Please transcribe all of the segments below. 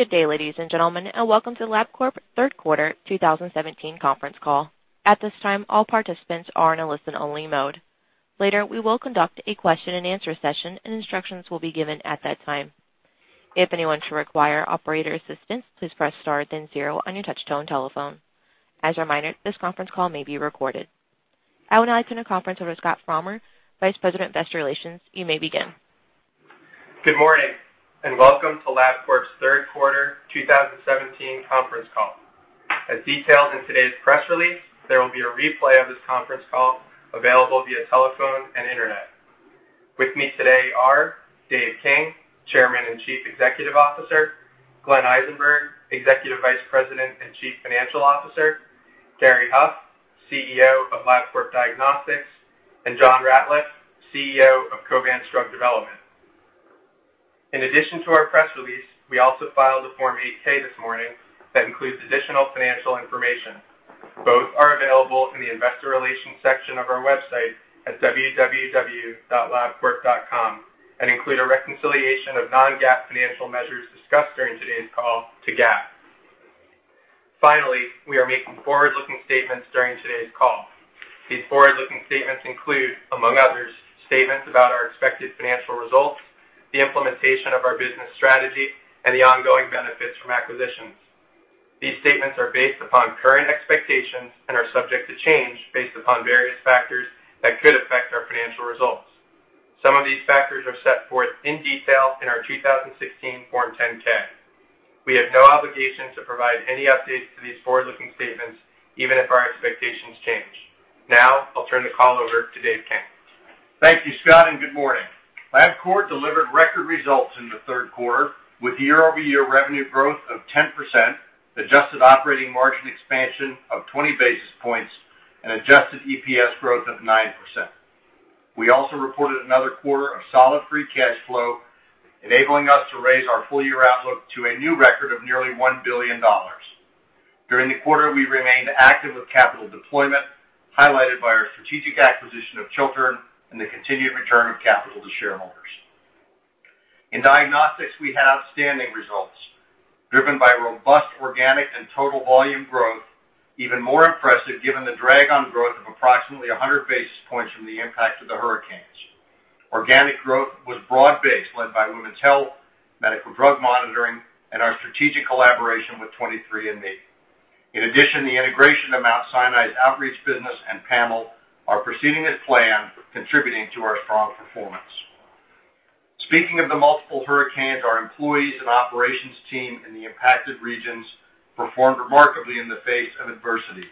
Good day, ladies and gentlemen, and welcome to LabCorp Third Quarter 2017 conference call. At this time, all participants are in a listen-only mode. Later, we will conduct a question-and-answer session, and instructions will be given at that time. If anyone should require operator assistance, please press star then zero on your touch-tone telephone. As a reminder, this conference call may be recorded. I will now turn the conference over to Scott Frommer, Vice President of Investor Relations. You may begin. Good morning and welcome to LabCorp's Third Quarter 2017 conference call. As detailed in today's press release, there will be a replay of this conference call available via telephone and internet. With me today are Dave King, Chairman and Chief Executive Officer; Glenn Eisenberg, Executive Vice President and Chief Financial Officer; Gary Huff, CEO of LabCorp Diagnostics; and John Ratliff, CEO of Covance Drug Development. In addition to our press release, we also filed a Form 8K this morning that includes additional financial information. Both are available in the Investor Relations section of our website at www.LabCorp.com and include a reconciliation of non-GAAP financial measures discussed during today's call to GAAP. Finally, we are making forward-looking statements during today's call. These forward-looking statements include, among others, statements about our expected financial results, the implementation of our business strategy, and the ongoing benefits from acquisitions. These statements are based upon current expectations and are subject to change based upon various factors that could affect our financial results. Some of these factors are set forth in detail in our 2016 Form 10-K. We have no obligation to provide any updates to these forward-looking statements, even if our expectations change. Now, I'll turn the call over to Dave King. Thank you, Scott, and good morning. LabCorp delivered record results in the third quarter with year-over-year revenue growth of 10%, adjusted operating margin expansion of 20 basis points, and adjusted EPS growth of 9%. We also reported another quarter of solid free cash flow, enabling us to raise our full-year outlook to a new record of nearly $1 billion. During the quarter, we remained active with capital deployment, highlighted by our strategic acquisition of Chiltern and the continued return of capital to shareholders. In diagnostics, we had outstanding results, driven by robust organic and total volume growth, even more impressive given the drag on growth of approximately 100 basis points from the impact of the hurricanes. Organic growth was broad-based, led by women's health, medical drug monitoring, and our strategic collaboration with 23andMe. In addition, the integration of Mount Sinai's outreach business and panel are proceeding as planned, contributing to our strong performance. Speaking of the multiple hurricanes, our employees and operations team in the impacted regions performed remarkably in the face of adversity,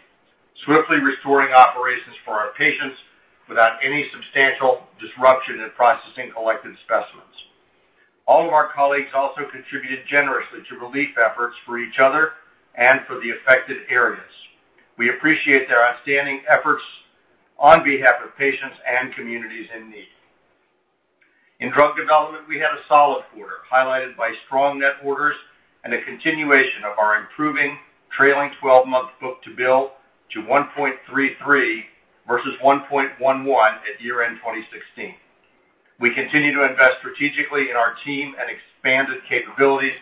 swiftly restoring operations for our patients without any substantial disruption in processing collected specimens. All of our colleagues also contributed generously to relief efforts for each other and for the affected areas. We appreciate their outstanding efforts on behalf of patients and communities in need. In drug development, we had a solid quarter, highlighted by strong net orders and a continuation of our improving trailing 12-month book-to-bill to 1.33 versus 1.11 at year-end 2016. We continue to invest strategically in our team and expanded capabilities,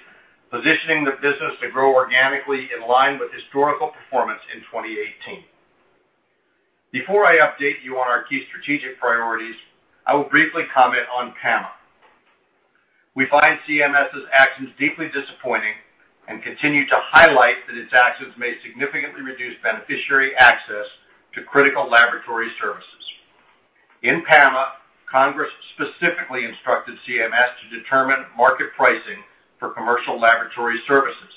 positioning the business to grow organically in line with historical performance in 2018. Before I update you on our key strategic priorities, I will briefly comment on PAMA. We find CMS's actions deeply disappointing and continue to highlight that its actions may significantly reduce beneficiary access to critical laboratory services. In PAMA, Congress specifically instructed CMS to determine market pricing for commercial laboratory services.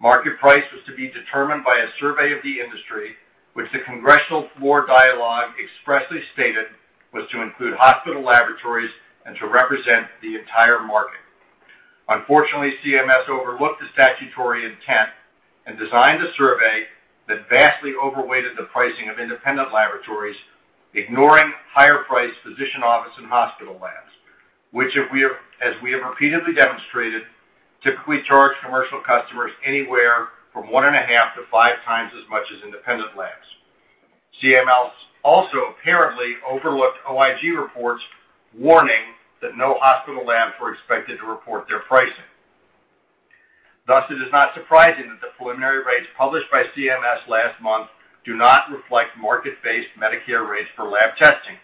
Market price was to be determined by a survey of the industry, which the congressional floor dialogue expressly stated was to include hospital laboratories and to represent the entire market. Unfortunately, CMS overlooked the statutory intent and designed a survey that vastly overweighted the pricing of independent laboratories, ignoring higher-priced physician office and hospital labs, which, as we have repeatedly demonstrated, typically charge commercial customers anywhere from one and a half to five times as much as independent labs. CMS also apparently overlooked OIG reports warning that no hospital labs were expected to report their pricing. Thus, it is not surprising that the preliminary rates published by CMS last month do not reflect market-based Medicare rates for lab testing.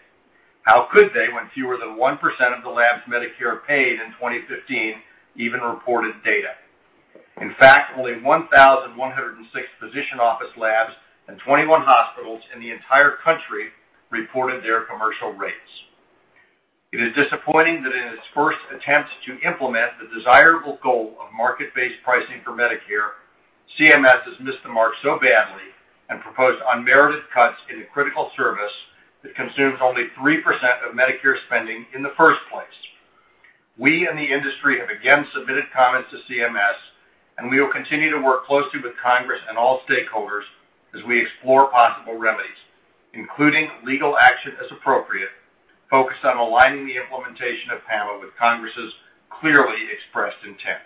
How could they, when fewer than 1% of the labs Medicare paid in 2015 even reported data? In fact, only 1,106 physician office labs and 21 hospitals in the entire country reported their commercial rates. It is disappointing that in its first attempt to implement the desirable goal of market-based pricing for Medicare, CMS has missed the mark so badly and proposed unmerited cuts in a critical service that consumes only 3% of Medicare spending in the first place. We and the industry have again submitted comments to CMS, and we will continue to work closely with Congress and all stakeholders as we explore possible remedies, including legal action as appropriate, focused on aligning the implementation of PAMA with Congress's clearly expressed intent.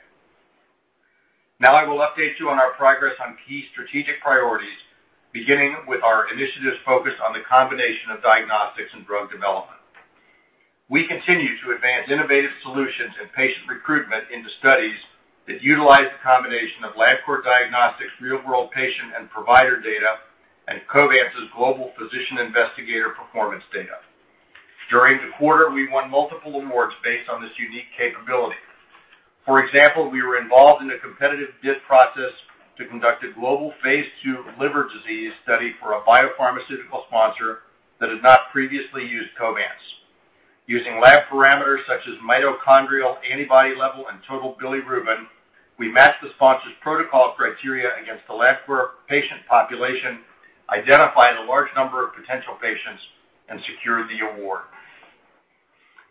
Now, I will update you on our progress on key strategic priorities, beginning with our initiatives focused on the combination of diagnostics and drug development. We continue to advance innovative solutions and patient recruitment into studies that utilize the combination of LabCorp Diagnostics' real-world patient and provider data and Covance's global physician investigator performance data. During the quarter, we won multiple awards based on this unique capability. For example, we were involved in a competitive bid process to conduct a global phase two liver disease study for a biopharmaceutical sponsor that had not previously used Covance. Using lab parameters such as mitochondrial antibody level and total bilirubin, we matched the sponsor's protocol criteria against the LabCorp patient population, identified a large number of potential patients, and secured the award.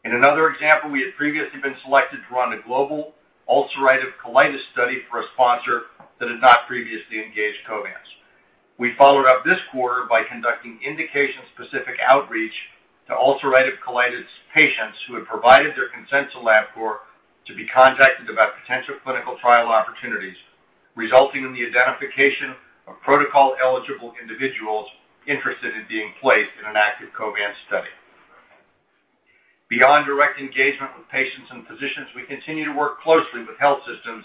In another example, we had previously been selected to run a global ulcerative colitis study for a sponsor that had not previously engaged Covance. We followed up this quarter by conducting indication-specific outreach to ulcerative colitis patients who had provided their consent to LabCorp to be contacted about potential clinical trial opportunities, resulting in the identification of protocol-eligible individuals interested in being placed in an active Covance study. Beyond direct engagement with patients and physicians, we continue to work closely with health systems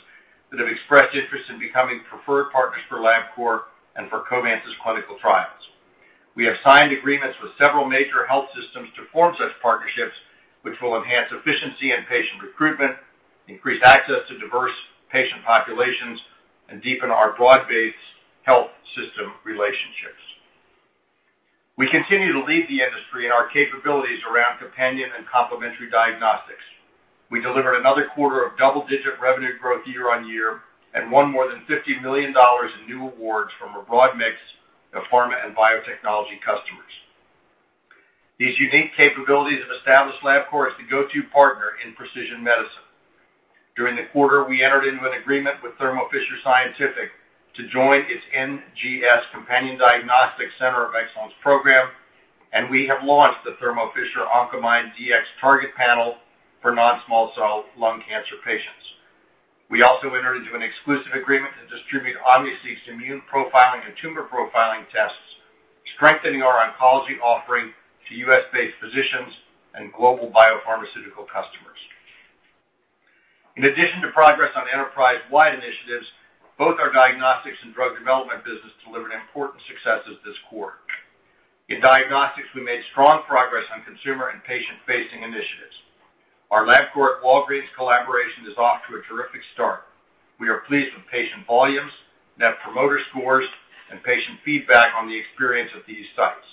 that have expressed interest in becoming preferred partners for LabCorp and for Covance's clinical trials. We have signed agreements with several major health systems to form such partnerships, which will enhance efficiency in patient recruitment, increase access to diverse patient populations, and deepen our broad-based health system relationships. We continue to lead the industry in our capabilities around companion and complementary diagnostics. We delivered another quarter of double-digit revenue growth year-on-year and won more than $50 million in new awards from a broad mix of pharma and biotechnology customers. These unique capabilities have established LabCorp as the go-to partner in precision medicine. During the quarter, we entered into an agreement with Thermo Fisher Scientific to join its NGS Companion Diagnostic Center of Excellence program, and we have launched the Thermo Fisher Oncomine DX target panel for non-small cell lung cancer patients. We also entered into an exclusive agreement to distribute OmniSeq immune profiling and tumor profiling tests, strengthening our oncology offering to U.S.-based physicians and global biopharmaceutical customers. In addition to progress on enterprise-wide initiatives, both our diagnostics and drug development business delivered important successes this quarter. In diagnostics, we made strong progress on consumer and patient-facing initiatives. Our LabCorp Walgreens collaboration is off to a terrific start. We are pleased with patient volumes, net promoter scores, and patient feedback on the experience at these sites.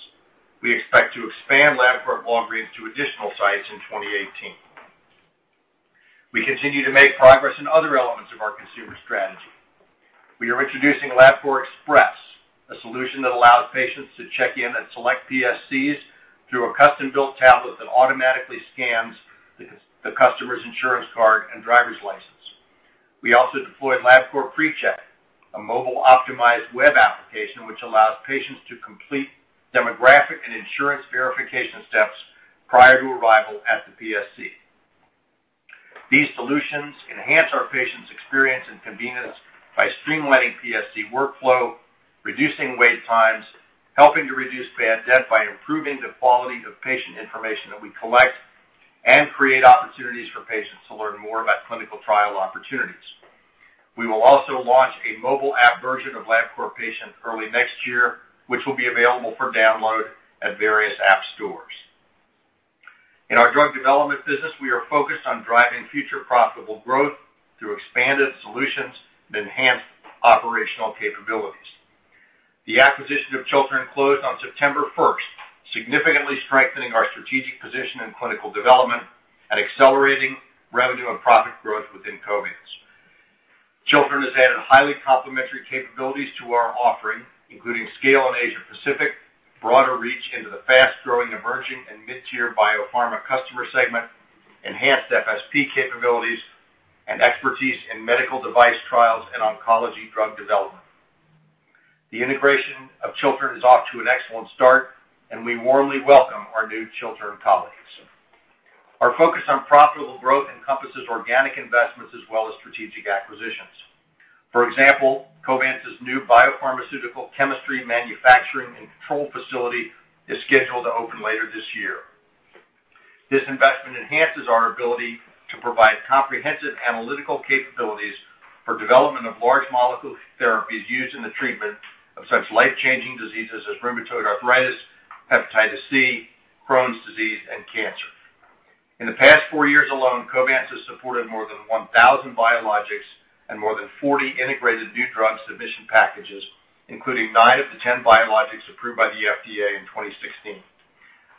We expect to expand LabCorp Walgreens to additional sites in 2018. We continue to make progress in other elements of our consumer strategy. We are introducing LabCorp Express, a solution that allows patients to check in at select PSCs through a custom-built tablet that automatically scans the customer's insurance card and driver's license. We also deployed LabCorp PreCheck, a mobile-optimized web application which allows patients to complete demographic and insurance verification steps prior to arrival at the PSC. These solutions enhance our patients' experience and convenience by streamlining PSC workflow, reducing wait times, helping to reduce bad debt by improving the quality of patient information that we collect, and create opportunities for patients to learn more about clinical trial opportunities. We will also launch a mobile app version of LabCorp Patient early next year, which will be available for download at various app stores. In our drug development business, we are focused on driving future profitable growth through expanded solutions and enhanced operational capabilities. The acquisition of Chiltern closed on September 1, significantly strengthening our strategic position in clinical development and accelerating revenue and profit growth within Covance. Chiltern has added highly complementary capabilities to our offering, including scale in Asia-Pacific, broader reach into the fast-growing emerging and mid-tier biopharma customer segment, enhanced FSP capabilities, and expertise in medical device trials and oncology drug development. The integration of Chiltern is off to an excellent start, and we warmly welcome our new Chiltern colleagues. Our focus on profitable growth encompasses organic investments as well as strategic acquisitions. For example, Covance's new biopharmaceutical chemistry manufacturing and control facility is scheduled to open later this year. This investment enhances our ability to provide comprehensive analytical capabilities for development of large molecule therapies used in the treatment of such life-changing diseases as rheumatoid arthritis, hepatitis C, Crohn's disease, and cancer. In the past four years alone, Covance has supported more than 1,000 biologics and more than 40 integrated new drug submission packages, including 9 of the 10 biologics approved by the FDA in 2016.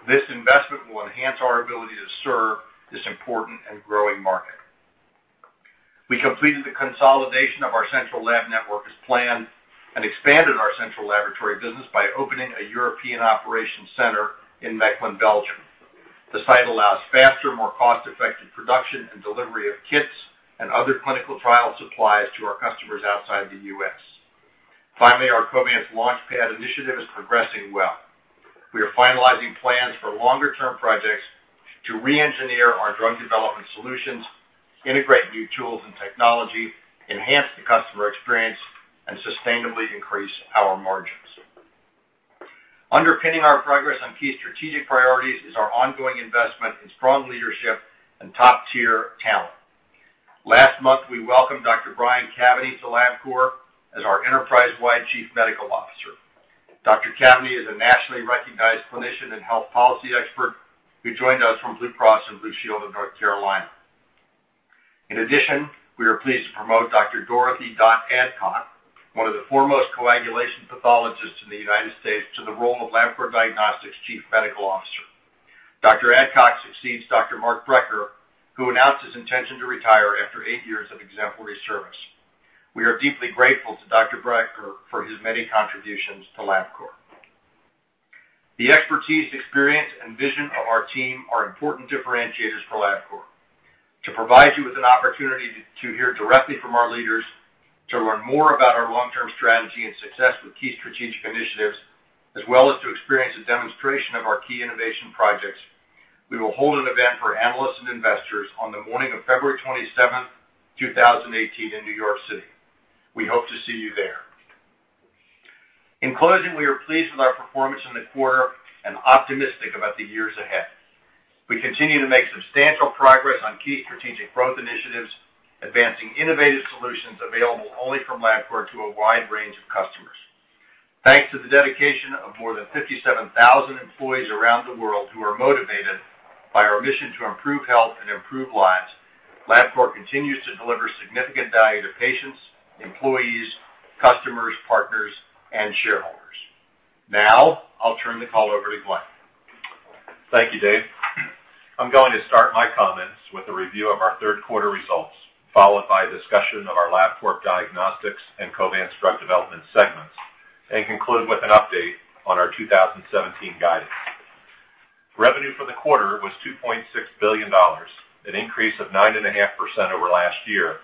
This investment will enhance our ability to serve this important and growing market. We completed the consolidation of our central lab network as planned and expanded our central laboratory business by opening a European operations center in Mecklenburg, Belgium. The site allows faster, more cost-effective production and delivery of kits and other clinical trial supplies to our customers outside the U.S. Finally, our Covance's Launchpad initiative is progressing well. We are finalizing plans for longer-term projects to re-engineer our drug development solutions, integrate new tools and technology, enhance the customer experience, and sustainably increase our margins. Underpinning our progress on key strategic priorities is our ongoing investment in strong leadership and top-tier talent. Last month, we welcomed Dr. Brian Cavaney to LabCorp as our enterprise-wide Chief Medical Officer. Dr. Cavaney is a nationally recognized clinician and health policy expert who joined us from Blue Cross and Blue Shield of North Carolina. In addition, we are pleased to promote Dr. Dorothy Dot Adcock, one of the foremost coagulation pathologists in the United States, to the role of LabCorp Diagnostics' Chief Medical Officer. Dr. Adcock succeeds Dr. Mark Brecker, who announced his intention to retire after eight years of exemplary service. We are deeply grateful to Dr. Brecker for his many contributions to LabCorp. The expertise, experience, and vision of our team are important differentiators for LabCorp. To provide you with an opportunity to hear directly from our leaders, to learn more about our long-term strategy and success with key strategic initiatives, as well as to experience a demonstration of our key innovation projects, we will hold an event for analysts and investors on the morning of February 27th, 2018, in New York City. We hope to see you there. In closing, we are pleased with our performance in the quarter and optimistic about the years ahead. We continue to make substantial progress on key strategic growth initiatives, advancing innovative solutions available only from LabCorp to a wide range of customers. Thanks to the dedication of more than 57,000 employees around the world who are motivated by our mission to improve health and improve lives, LabCorp continues to deliver significant value to patients, employees, customers, partners, and shareholders. Now, I'll turn the call over to Glenn. Thank you, Dave. I'm going to start my comments with a review of our third quarter results, followed by a discussion of our LabCorp Diagnostics and Covance drug development segments, and conclude with an update on our 2017 guidance. Revenue for the quarter was $2.6 billion, an increase of 9.5% over last year,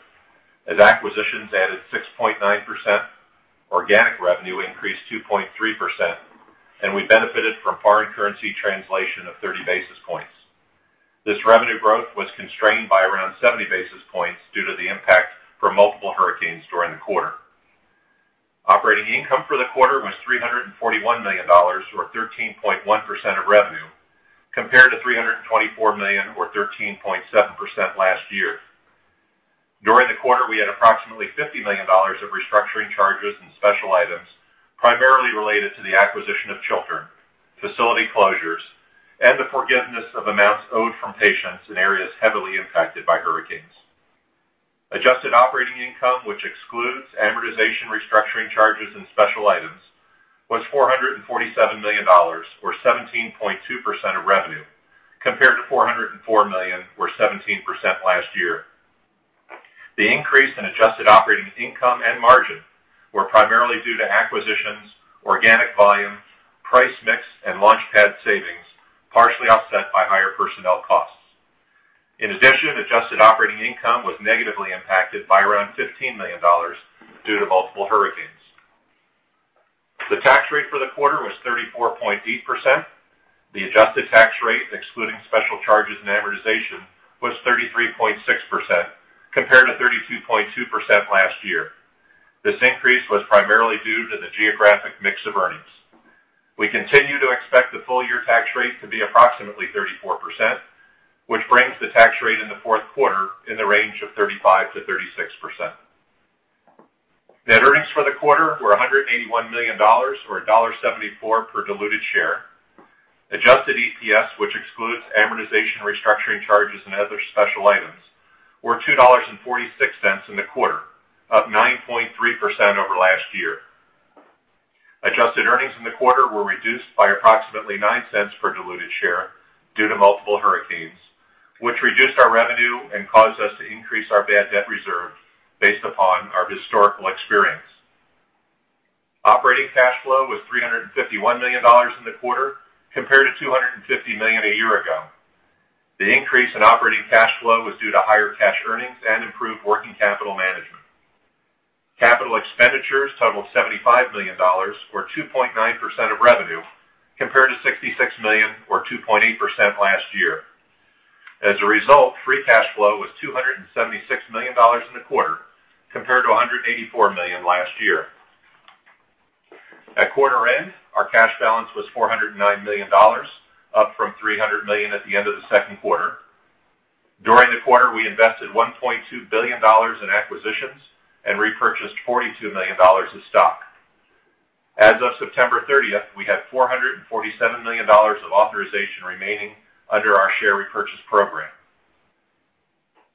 as acquisitions added 6.9%, organic revenue increased 2.3%, and we benefited from foreign currency translation of 30 basis points. This revenue growth was constrained by around 70 basis points due to the impact from multiple hurricanes during the quarter. Operating income for the quarter was $341 million, or 13.1% of revenue, compared to $324 million, or 13.7% last year. During the quarter, we had approximately $50 million of restructuring charges and special items primarily related to the acquisition of Chiltern, facility closures, and the forgiveness of amounts owed from patients in areas heavily impacted by hurricanes. Adjusted operating income, which excludes amortization, restructuring charges and special items, was $447 million, or 17.2% of revenue, compared to $404 million, or 17% last year. The increase in adjusted operating income and margin was primarily due to acquisitions, organic volume, price mix, and Launchpad savings, partially offset by higher personnel costs. In addition, adjusted operating income was negatively impacted by around $15 million due to multiple hurricanes. The tax rate for the quarter was 34.8%. The adjusted tax rate, excluding special charges and amortization, was 33.6%, compared to 32.2% last year. This increase was primarily due to the geographic mix of earnings. We continue to expect the full-year tax rate to be approximately 34%, which brings the tax rate in the fourth quarter in the range of 35-36%. Net earnings for the quarter were $181 million, or $1.74 per diluted share. Adjusted EPS, which excludes amortization restructuring charges and other special items, was $2.46 in the quarter, up 9.3% over last year. Adjusted earnings in the quarter were reduced by approximately $0.09 per diluted share due to multiple hurricanes, which reduced our revenue and caused us to increase our bad debt reserve based upon our historical experience. Operating cash flow was $351 million in the quarter, compared to $250 million a year ago. The increase in operating cash flow was due to higher cash earnings and improved working capital management. Capital expenditures totaled $75 million, or 2.9% of revenue, compared to $66 million, or 2.8% last year. As a result, free cash flow was $276 million in the quarter, compared to $184 million last year. At quarter end, our cash balance was $409 million, up from $300 million at the end of the second quarter. During the quarter, we invested $1.2 billion in acquisitions and repurchased $42 million of stock. As of September 30th, we had $447 million of authorization remaining under our share repurchase program.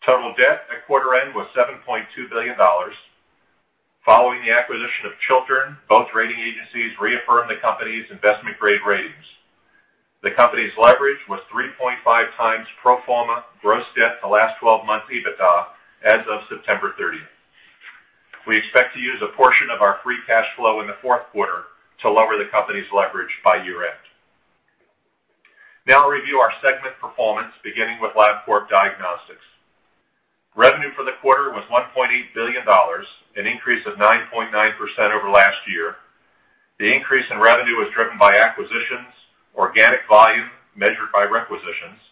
Total debt at quarter end was $7.2 billion. Following the acquisition of Chiltern, both rating agencies reaffirmed the company's investment-grade ratings. The company's leverage was 3.5x pro forma gross debt to last 12 months EBITDA as of September 30th. We expect to use a portion of our free cash flow in the fourth quarter to lower the company's leverage by year-end. Now, I'll review our segment performance, beginning with LabCorp Diagnostics. Revenue for the quarter was $1.8 billion, an increase of 9.9% over last year. The increase in revenue was driven by acquisitions, organic volume measured by requisitions,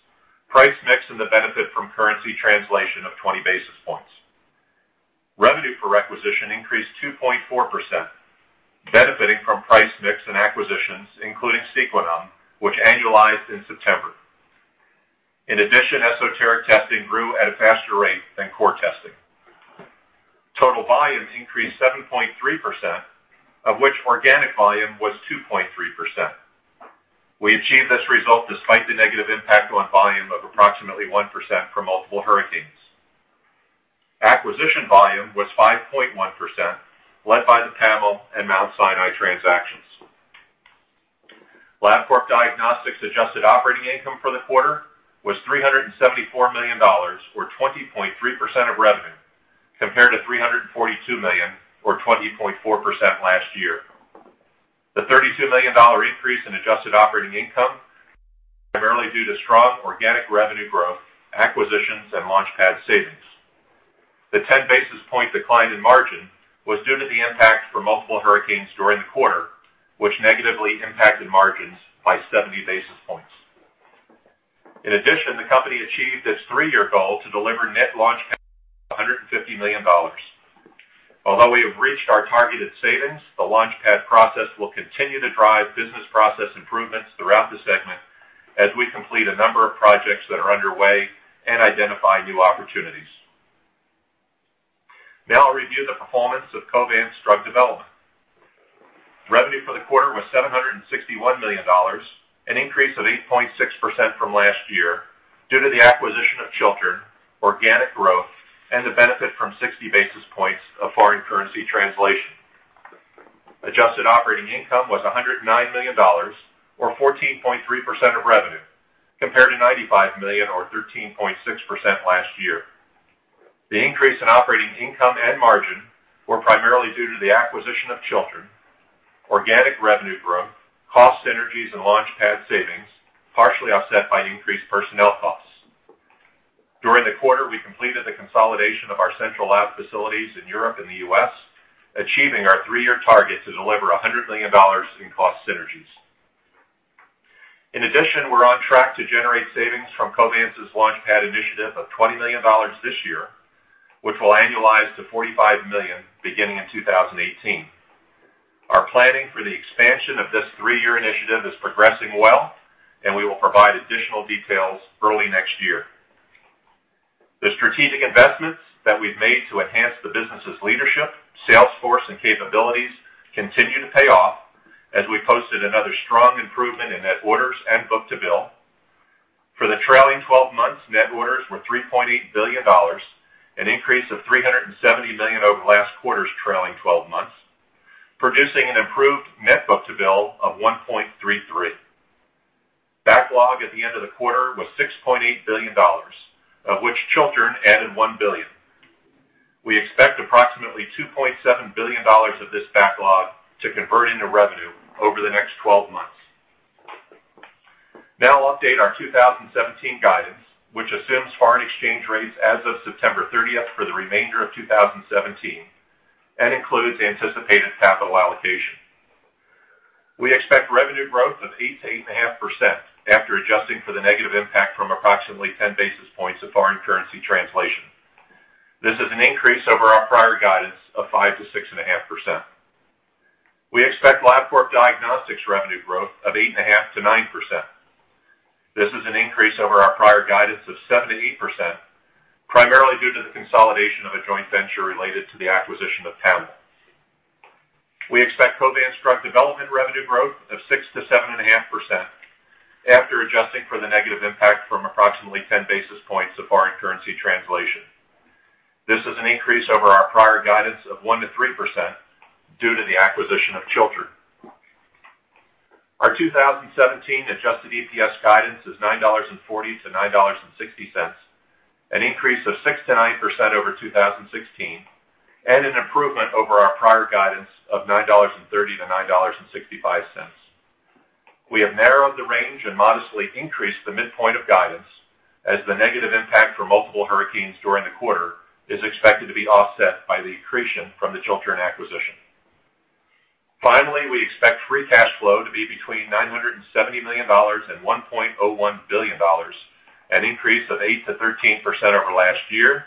price mix, and the benefit from currency translation of 20 basis points. Revenue per requisition increased 2.4%, benefiting from price mix and acquisitions, including Sequenom, which annualized in September. In addition, esoteric testing grew at a faster rate than core testing. Total volume increased 7.3%, of which organic volume was 2.3%. We achieved this result despite the negative impact on volume of approximately 1% from multiple hurricanes. Acquisition volume was 5.1%, led by the PAML and Mount Sinai transactions. LabCorp Diagnostics' adjusted operating income for the quarter was $374 million, or 20.3% of revenue, compared to $342 million, or 20.4% last year. The $32 million increase in adjusted operating income was primarily due to strong organic revenue growth, acquisitions, and Launchpad savings. The 10 basis point decline in margin was due to the impact from multiple hurricanes during the quarter, which negatively impacted margins by 70 basis points. In addition, the company achieved its three-year goal to deliver net launch capital of $150 million. Although we have reached our targeted savings, the Launchpad process will continue to drive business process improvements throughout the segment as we complete a number of projects that are underway and identify new opportunities. Now, I'll review the performance of Covance's drug development. Revenue for the quarter was $761 million, an increase of 8.6% from last year due to the acquisition of Chiltern, organic growth, and the benefit from 60 basis points of foreign currency translation. Adjusted operating income was $109 million, or 14.3% of revenue, compared to $95 million, or 13.6% last year. The increase in operating income and margin was primarily due to the acquisition of Chiltern, organic revenue growth, cost synergies, and Launchpad savings, partially offset by increased personnel costs. During the quarter, we completed the consolidation of our central lab facilities in Europe and the U.S., achieving our three-year target to deliver $100 million in cost synergies. In addition, we're on track to generate savings from Covance's Launchpad initiative of $20 million this year, which will annualize to $45 million beginning in 2018. Our planning for the expansion of this three-year initiative is progressing well, and we will provide additional details early next year. The strategic investments that we've made to enhance the business's leadership, sales force, and capabilities continue to pay off as we posted another strong improvement in net orders and book to bill. For the trailing 12 months, net orders were $3.8 billion, an increase of $370 million over last quarter's trailing 12 months, producing an improved net book to bill of $1.33. Backlog at the end of the quarter was $6.8 billion, of which Chiltern added $1 billion. We expect approximately $2.7 billion of this backlog to convert into revenue over the next 12 months. Now, I'll update our 2017 guidance, which assumes foreign exchange rates as of September 30th for the remainder of 2017 and includes anticipated capital allocation. We expect revenue growth of 8%-8.5% after adjusting for the negative impact from approximately 10 basis points of foreign currency translation. This is an increase over our prior guidance of 5%-6.5%. We expect LabCorp Diagnostics' revenue growth of 8.5%-9%. This is an increase over our prior guidance of 7%-8%, primarily due to the consolidation of a joint venture related to the acquisition of PAML. We expect Covance's drug development revenue growth of 6%-7.5% after adjusting for the negative impact from approximately 10 basis points of foreign currency translation. This is an increase over our prior guidance of 1%-3% due to the acquisition of Chiltern. Our 2017 adjusted EPS guidance is $9.40-$9.60, an increase of 6%-9% over 2016, and an improvement over our prior guidance of $9.30-$9.65. We have narrowed the range and modestly increased the midpoint of guidance as the negative impact from multiple hurricanes during the quarter is expected to be offset by the accretion from the Chiltern acquisition. Finally, we expect free cash flow to be between $970 million and $1.01 billion, an increase of 8% to 13% over last year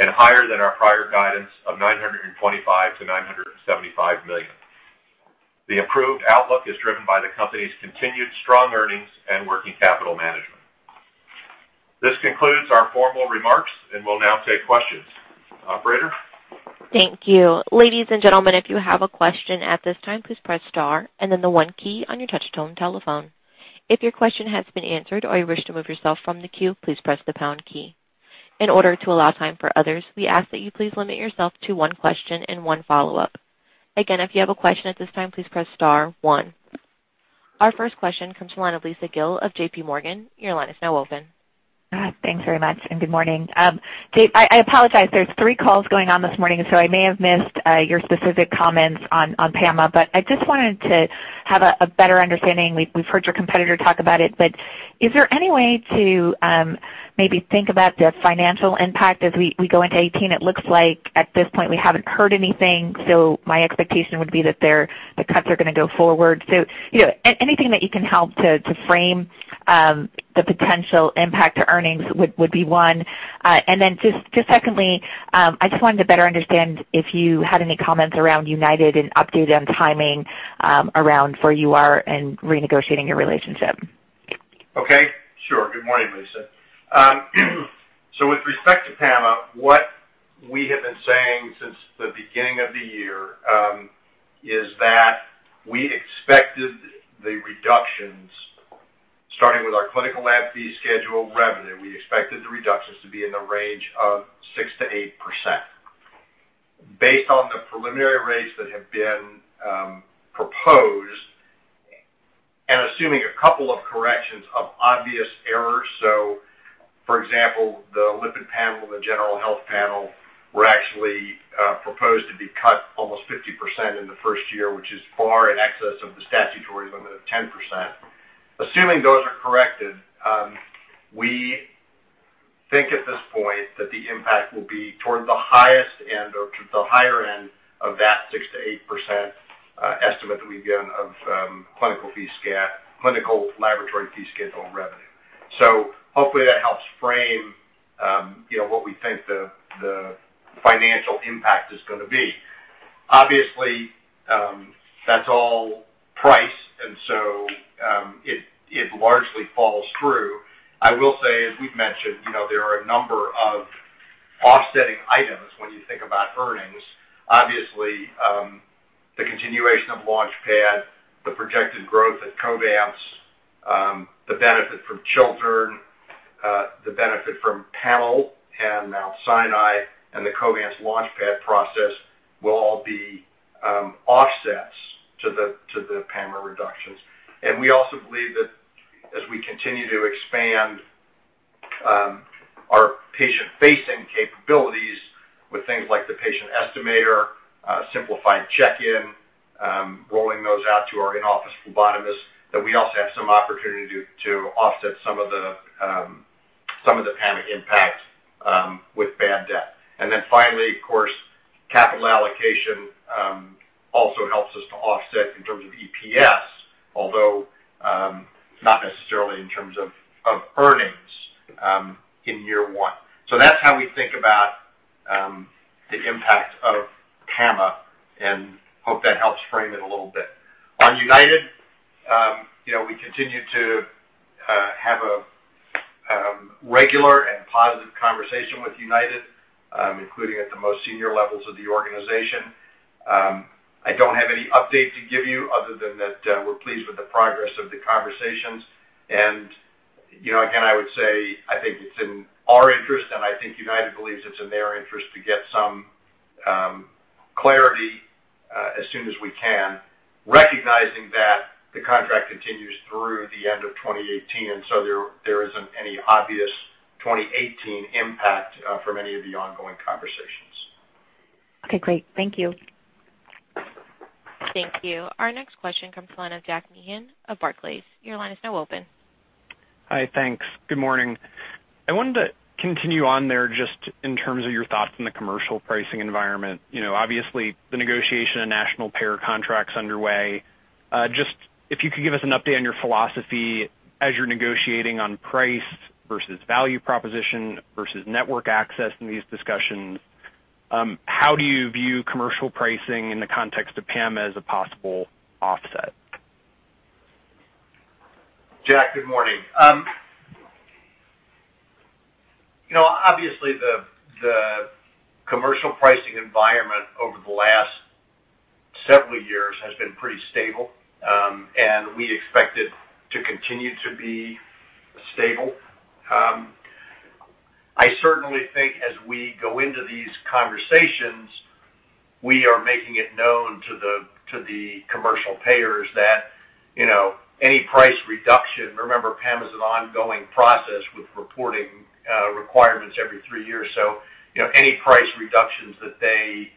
and higher than our prior guidance of $925 million to $975 million. The improved outlook is driven by the company's continued strong earnings and working capital management. This concludes our formal remarks and will now take questions. Operator? Thank you. Ladies and gentlemen, if you have a question at this time, please press star and then the one key on your touch-tone telephone. If your question has been answered or you wish to move yourself from the queue, please press the pound key. In order to allow time for others, we ask that you please limit yourself to one question and one follow-up. Again, if you have a question at this time, please press star one. Our first question comes from the line of Lisa Gill of JPMorgan. Your line is now open. Thanks very much and good morning. I apologize. There are three calls going on this morning, so I may have missed your specific comments on PAMA, but I just wanted to have a better understanding. We've heard your competitor talk about it, but is there any way to maybe think about the financial impact as we go into 2018? It looks like at this point we haven't heard anything, so my expectation would be that the cuts are going to go forward. Anything that you can help to frame the potential impact to earnings would be one. Then just secondly, I just wanted to better understand if you had any comments around United and updated on timing around where you are in renegotiating your relationship. Okay. Sure. Good morning, Lisa. With respect to PAMA, what we have been saying since the beginning of the year is that we expected the reductions, starting with our clinical lab fee schedule revenue, we expected the reductions to be in the range of 6%-8%. Based on the preliminary rates that have been proposed and assuming a couple of corrections of obvious errors, for example, the lipid panel and the general health panel were actually proposed to be cut almost 50% in the first year, which is far in excess of the statutory limit of 10%. Assuming those are corrected, we think at this point that the impact will be toward the highest end or the higher end of that 6%-8% estimate that we've given of clinical laboratory fee schedule revenue. Hopefully that helps frame what we think the financial impact is going to be. Obviously, that's all price, and so it largely falls through. I will say, as we've mentioned, there are a number of offsetting items when you think about earnings. Obviously, the continuation of Launchpad, the projected growth at Covance, the benefit from Chiltern, the benefit from PAMA and Mount Sinai, and the Covance Launchpad process will all be offsets to the PAMA reductions. We also believe that as we continue to expand our patient-facing capabilities with things like the patient estimator, simplified check-in, rolling those out to our in-office phlebotomists, we also have some opportunity to offset some of the PAMA impact with bad debt. Finally, of course, capital allocation also helps us to offset in terms of EPS, although not necessarily in terms of earnings in year one. That is how we think about the impact of PAMA and hope that helps frame it a little bit. On United, we continue to have a regular and positive conversation with United, including at the most senior levels of the organization. I do not have any update to give you other than that we are pleased with the progress of the conversations. I would say I think it's in our interest, and I think United believes it's in their interest to get some clarity as soon as we can, recognizing that the contract continues through the end of 2018, and so there isn't any obvious 2018 impact from any of the ongoing conversations. Okay. Great. Thank you. Thank you. Our next question comes from line of Jack Meehan of Barclays. Your line is now open. Hi. Thanks. Good morning. I wanted to continue on there just in terms of your thoughts on the commercial pricing environment. Obviously, the negotiation of national payer contracts is underway. Just if you could give us an update on your philosophy as you're negotiating on price versus value proposition versus network access in these discussions. How do you view commercial pricing in the context of PAMA as a possible offset? Jack, good morning. Obviously, the commercial pricing environment over the last several years has been pretty stable, and we expect it to continue to be stable. I certainly think as we go into these conversations, we are making it known to the commercial payers that any price reduction—remember, PAMA is an ongoing process with reporting requirements every three years—so any price reductions that they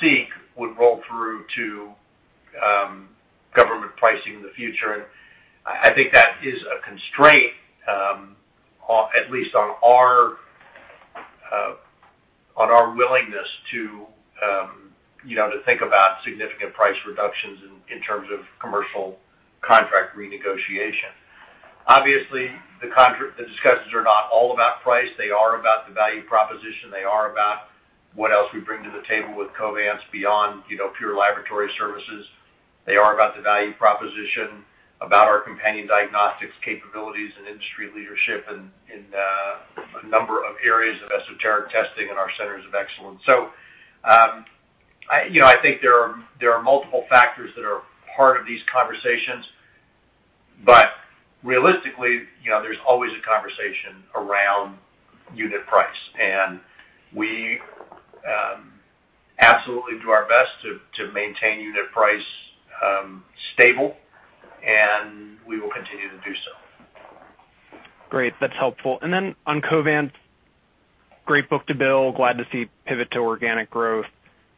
seek would roll through to government pricing in the future. I think that is a constraint, at least on our willingness to think about significant price reductions in terms of commercial contract renegotiation. Obviously, the discussions are not all about price. They are about the value proposition. They are about what else we bring to the table with Covance beyond pure laboratory services. They are about the value proposition, about our companion diagnostics capabilities and industry leadership in a number of areas of esoteric testing and our centers of excellence. I think there are multiple factors that are part of these conversations, but realistically, there is always a conversation around unit price. We absolutely do our best to maintain unit price stable, and we will continue to do so. Great. That is helpful. Then on Covance, great book-to-bill, glad to see pivot to organic growth.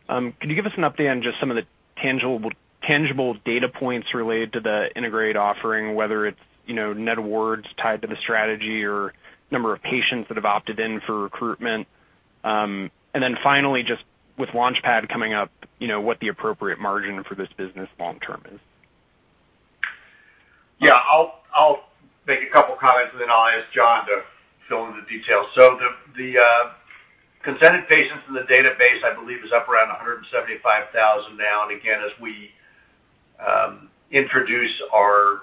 Could you give us an update on just some of the tangible data points related to the integrated offering, whether it is net awards tied to the strategy or number of patients that have opted in for recruitment? Finally, just with Launchpad coming up, what the appropriate margin for this business long-term is? Yeah. I'll make a couple of comments, and then I'll ask John to fill in the details. The consented patients in the database, I believe, is up around 175,000 now. As we introduce our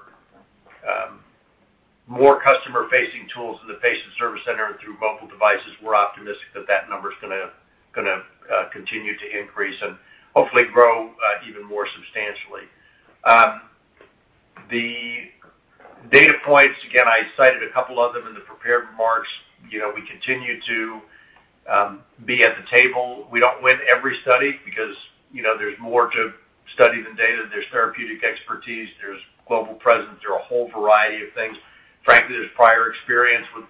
more customer-facing tools in the patient service center through mobile devices, we're optimistic that that number is going to continue to increase and hopefully grow even more substantially. The data points, I cited a couple of them in the prepared remarks. We continue to be at the table. We don't win every study because there's more to study than data. There's therapeutic expertise. There's global presence. There are a whole variety of things. Frankly, there's prior experience with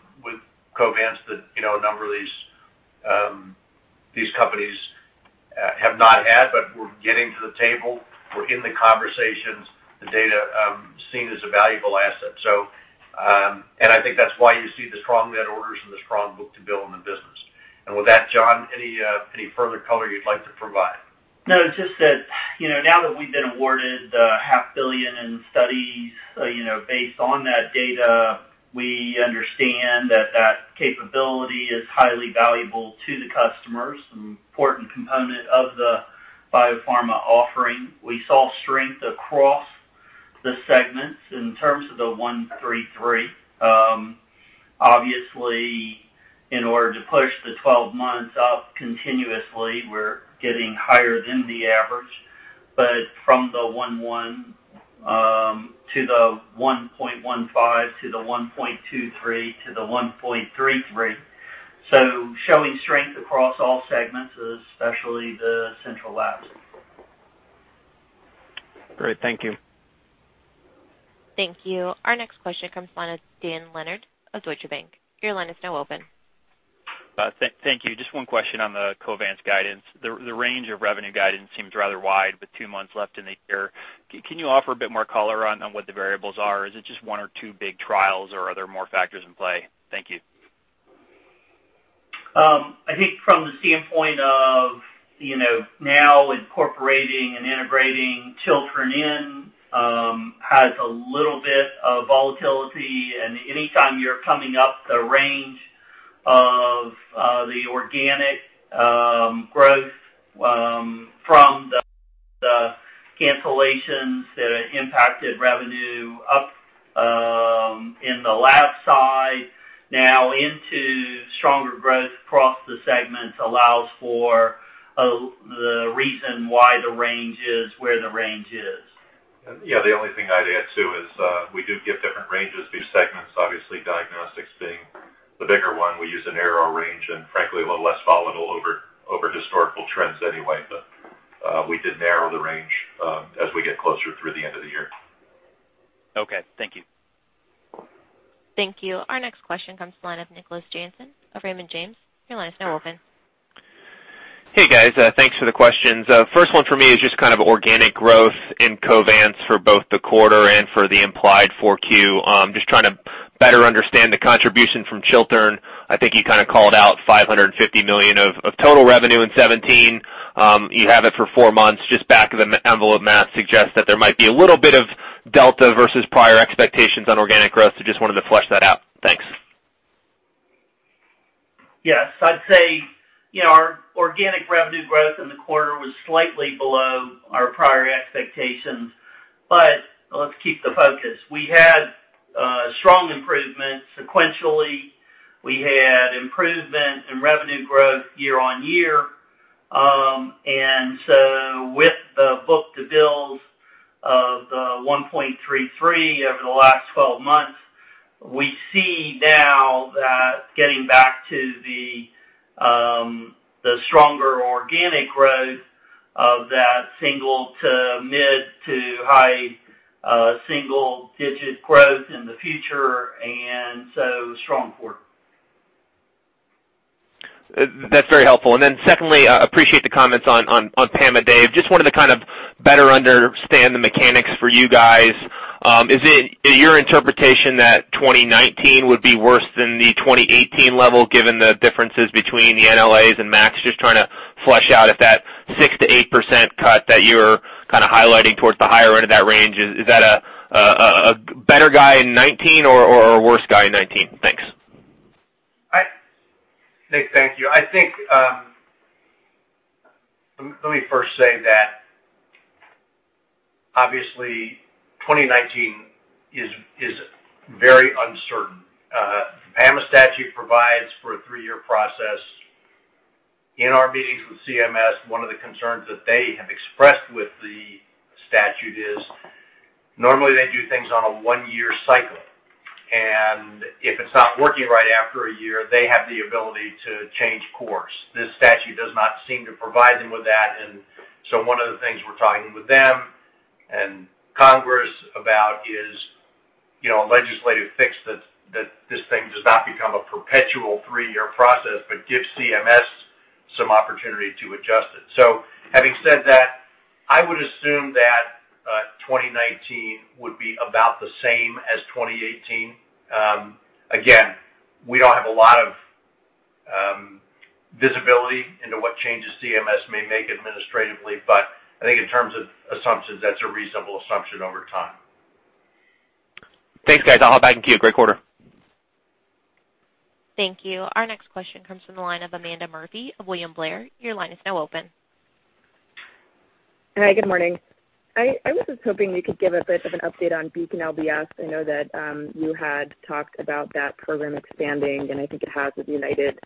Covance that a number of these companies have not had, but we're getting to the table. We're in the conversations. The data is seen as a valuable asset. I think that's why you see the strong net orders and the strong book to bill in the business. With that, John, any further color you'd like to provide? No, just that now that we've been awarded the $500,000,000 in studies based on that data, we understand that that capability is highly valuable to the customers, an important component of the biopharma offering. We saw strength across the segments in terms of the 1.33. Obviously, in order to push the 12 months up continuously, we're getting higher than the average, but from the 1.1 to the 1.15 to the 1.23 to the 1.33. Showing strength across all segments, especially the central labs. Great. Thank you. Thank you. Our next question comes from line of Dan Leonard of Deutsche Bank. Your line is now open. Thank you. Just one question on the Covance guidance. The range of revenue guidance seems rather wide with two months left in the year. Can you offer a bit more color on what the variables are? Is it just one or two big trials, or are there more factors in play? Thank you. I think from the standpoint of now incorporating and integrating Chiltern in has a little bit of volatility. Anytime you're coming up the range of the organic growth from the cancellations that have impacted revenue up in the lab side now into stronger growth across the segments allows for the reason why the range is where the range is. Yeah. The only thing I'd add too is we do get different ranges. Segments, obviously, diagnostics being the bigger one. We use a narrower range and, frankly, a little less volatile over historical trends anyway, but we did narrow the range as we get closer through the end of the year. Okay. Thank you. Thank you. Our next question comes from line of Nicholas Jansen of Raymond James. Your line is now open. Hey, guys. Thanks for the questions. First one for me is just kind of organic growth in Covance for both the quarter and for the implied 4Q. I'm just trying to better understand the contribution from Chiltern. I think you kind of called out $550 million of total revenue in 2017. You have it for four months. Just back of the envelope math suggests that there might be a little bit of delta versus prior expectations on organic growth. So just wanted to flesh that out. Thanks. Yes. I'd say our organic revenue growth in the quarter was slightly below our prior expectations, but let's keep the focus. We had strong improvement sequentially. We had improvement in revenue growth year on year. With the book-to-bill of 1.33 over the last 12 months, we see now that getting back to the stronger organic growth of that single to mid to high single-digit growth in the future, and strong quarter. That's very helpful. Secondly, I appreciate the comments on PAMA, Dave. Just wanted to kind of better understand the mechanics for you guys. Is it your interpretation that 2019 would be worse than the 2018 level given the differences between the NLAs and Max? Just trying to flesh out if that 6%-8% cut that you're kind of highlighting towards the higher end of that range, is that a better guide in 2019 or a worse guide in 2019? Thanks. Nick, thank you. I think let me first say that obviously 2019 is very uncertain. PAMA's statute provides for a three-year process. In our meetings with CMS, one of the concerns that they have expressed with the statute is normally they do things on a one-year cycle. If it's not working right after a year, they have the ability to change course. This statute does not seem to provide them with that. One of the things we're talking with them and Congress about is a legislative fix that this thing does not become a perpetual three-year process, but gives CMS some opportunity to adjust it. Having said that, I would assume that 2019 would be about the same as 2018. Again, we do not have a lot of visibility into what changes CMS may make administratively, but I think in terms of assumptions, that is a reasonable assumption over time. Thanks, guys. I will hop back in to you. Great quarter. Thank you. Our next question comes from the line of Amanda Murphy of William Blair. Your line is now open. Hi. Good morning. I was just hoping you could give a bit of an update on BeaconLBS. I know that you had talked about that program expanding, and I think it has with United.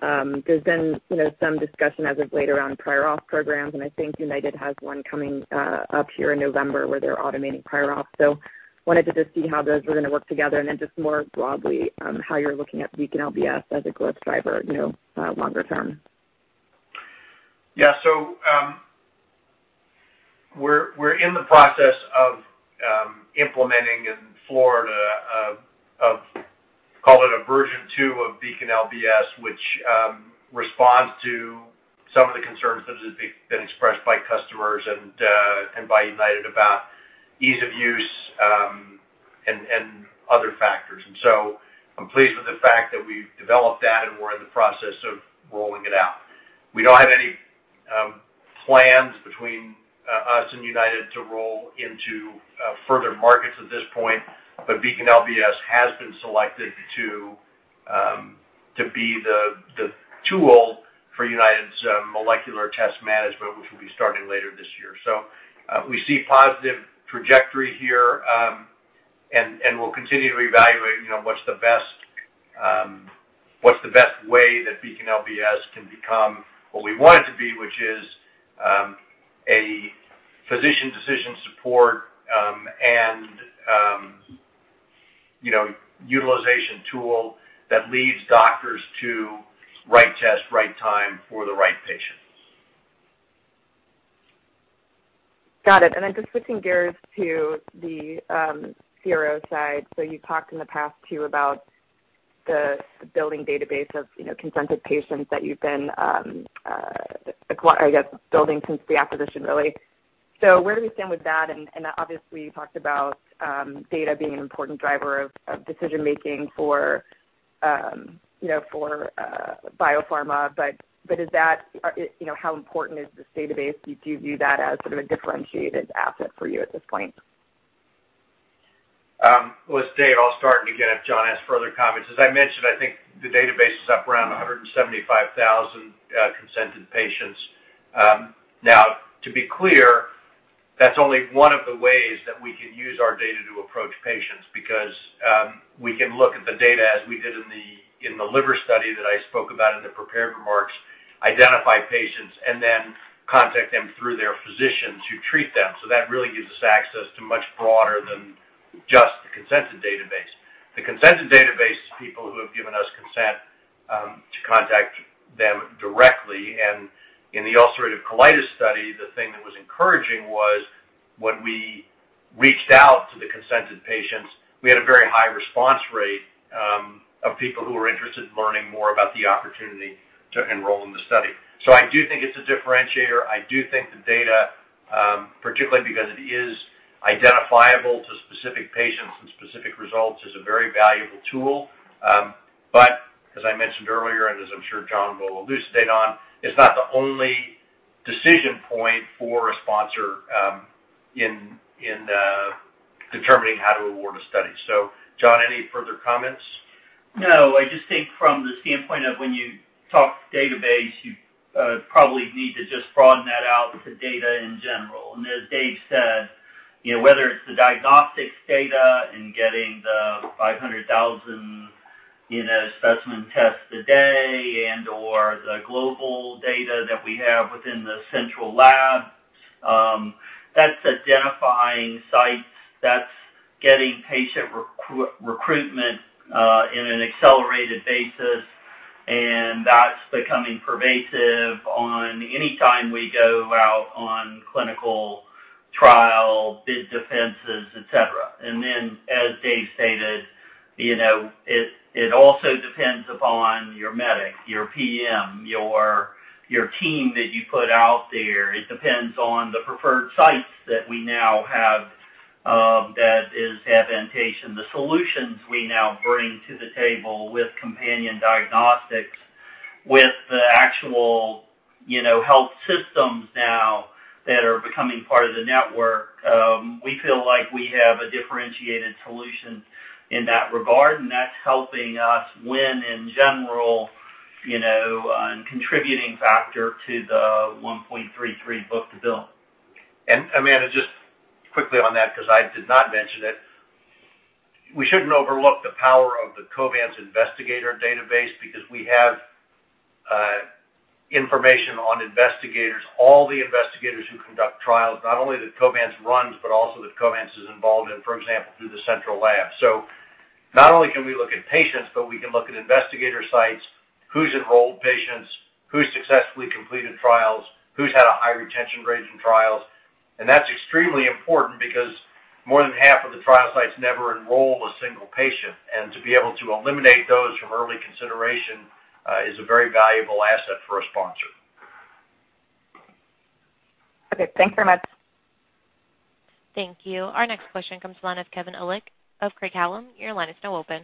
There has been some discussion as of late around prior auth programs, and I think United has one coming up here in November where they are automating prior auth. Wanted to just see how those were going to work together and then just more broadly how you're looking at BeaconLBS as a growth driver longer term. Yeah. We're in the process of implementing in Florida, call it a version two of BeaconLBS, which responds to some of the concerns that have been expressed by customers and by United about ease of use and other factors. I'm pleased with the fact that we've developed that, and we're in the process of rolling it out. We don't have any plans between us and United to roll into further markets at this point, but BeaconLBS has been selected to be the tool for United's molecular test management, which will be starting later this year. We see positive trajectory here, and we'll continue to evaluate what's the best way that BeaconLBS can become what we want it to be, which is a physician decision support and utilization tool that leads doctors to right test, right time for the right patient. Got it. Just switching gears to the CRO side. You've talked in the past too about the building database of consented patients that you've been, I guess, building since the acquisition, really. Where do we stand with that? Obviously, you talked about data being an important driver of decision-making for biopharma, but is that, how important is this database? Do you view that as sort of a differentiated asset for you at this point? Let's stay here. I'll start and you can have John ask further comments. As I mentioned, I think the database is up around 175,000 consented patients. Now, to be clear, that's only one of the ways that we can use our data to approach patients because we can look at the data as we did in the liver study that I spoke about in the prepared remarks, identify patients, and then contact them through their physician to treat them. That really gives us access to much broader than just the consented database. The consented database is people who have given us consent to contact them directly. In the ulcerative colitis study, the thing that was encouraging was when we reached out to the consented patients, we had a very high response rate of people who were interested in learning more about the opportunity to enroll in the study. I do think it's a differentiator. I do think the data, particularly because it is identifiable to specific patients and specific results, is a very valuable tool. As I mentioned earlier, and as I'm sure John will elucidate on, it's not the only decision point for a sponsor in determining how to award a study. John, any further comments? No. I just think from the standpoint of when you talk database, you probably need to just broaden that out to data in general. As Dave said, whether it's the diagnostics data and getting the 500,000 specimen tests a day and/or the global data that we have within the central lab, that's identifying sites. That's getting patient recruitment in an accelerated basis, and that's becoming pervasive on anytime we go out on clinical trial, bid defenses, etc. As Dave stated, it also depends upon your medic, your PM, your team that you put out there. It depends on the preferred sites that we now have that is advantageous. The solutions we now bring to the table with companion diagnostics, with the actual health systems now that are becoming part of the network, we feel like we have a differentiated solution in that regard, and that's helping us win in general and contributing factor to the 1.33 book-to-bill. Amanda, just quickly on that because I did not mention it. We shouldn't overlook the power of the Covance investigator database because we have information on investigators, all the investigators who conduct trials, not only that Covance runs, but also that Covance is involved in, for example, through the central lab. Not only can we look at patients, but we can look at investigator sites, who's enrolled patients, who's successfully completed trials, who's had a high retention rate in trials. That's extremely important because more than half of the trial sites never enroll a single patient. To be able to eliminate those from early consideration is a very valuable asset for a sponsor. Okay. Thanks very much. Thank you. Our next question comes from line of Kevin Ellich of Craig-Hallum. Your line is now open.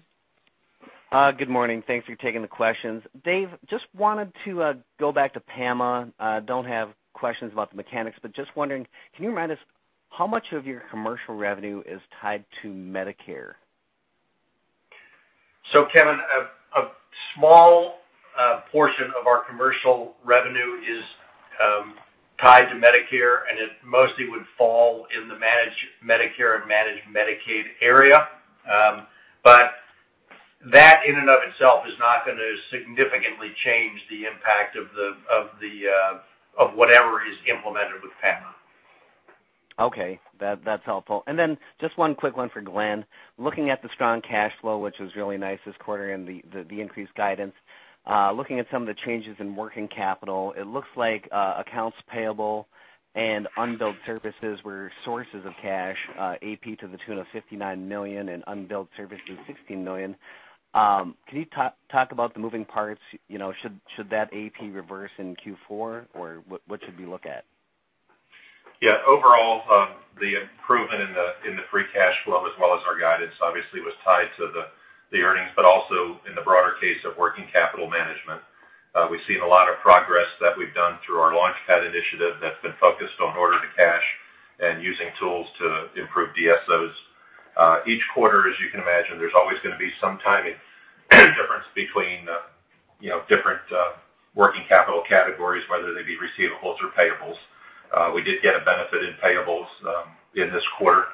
Good morning. Thanks for taking the questions. Dave, just wanted to go back to PAMA. I don't have questions about the mechanics, but just wondering, can you remind us how much of your commercial revenue is tied to Medicare? Kevin, a small portion of our commercial revenue is tied to Medicare, and it mostly would fall in the Medicare and managed Medicaid area. That in and of itself is not going to significantly change the impact of whatever is implemented with PAMA. Okay. That's helpful. One quick one for Glenn. Looking at the strong cash flow, which was really nice this quarter and the increased guidance, looking at some of the changes in working capital, it looks like accounts payable and unbilled services were sources of cash, AP to the tune of $59 million and unbilled services $16 million. Can you talk about the moving parts? Should that AP reverse in Q4, or what should we look at? Yeah. Overall, the improvement in the free cash flow as well as our guidance obviously was tied to the earnings, but also in the broader case of working capital management. We've seen a lot of progress that we've done through our Launchpad initiative that's been focused on order to cash and using tools to improve DSOs. Each quarter, as you can imagine, there's always going to be some timing difference between different working capital categories, whether they be receivables or payables. We did get a benefit in payables in this quarter,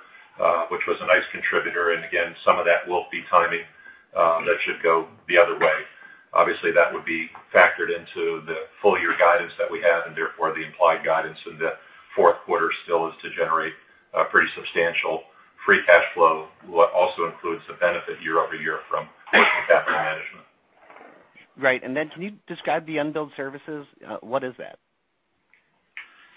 which was a nice contributor. Again, some of that will be timing that should go the other way. Obviously, that would be factored into the full-year guidance that we have and therefore the implied guidance. The fourth quarter still is to generate a pretty substantial free cash flow, which also includes the benefit year over year from working capital management. Right. Can you describe the unbilled services? What is that?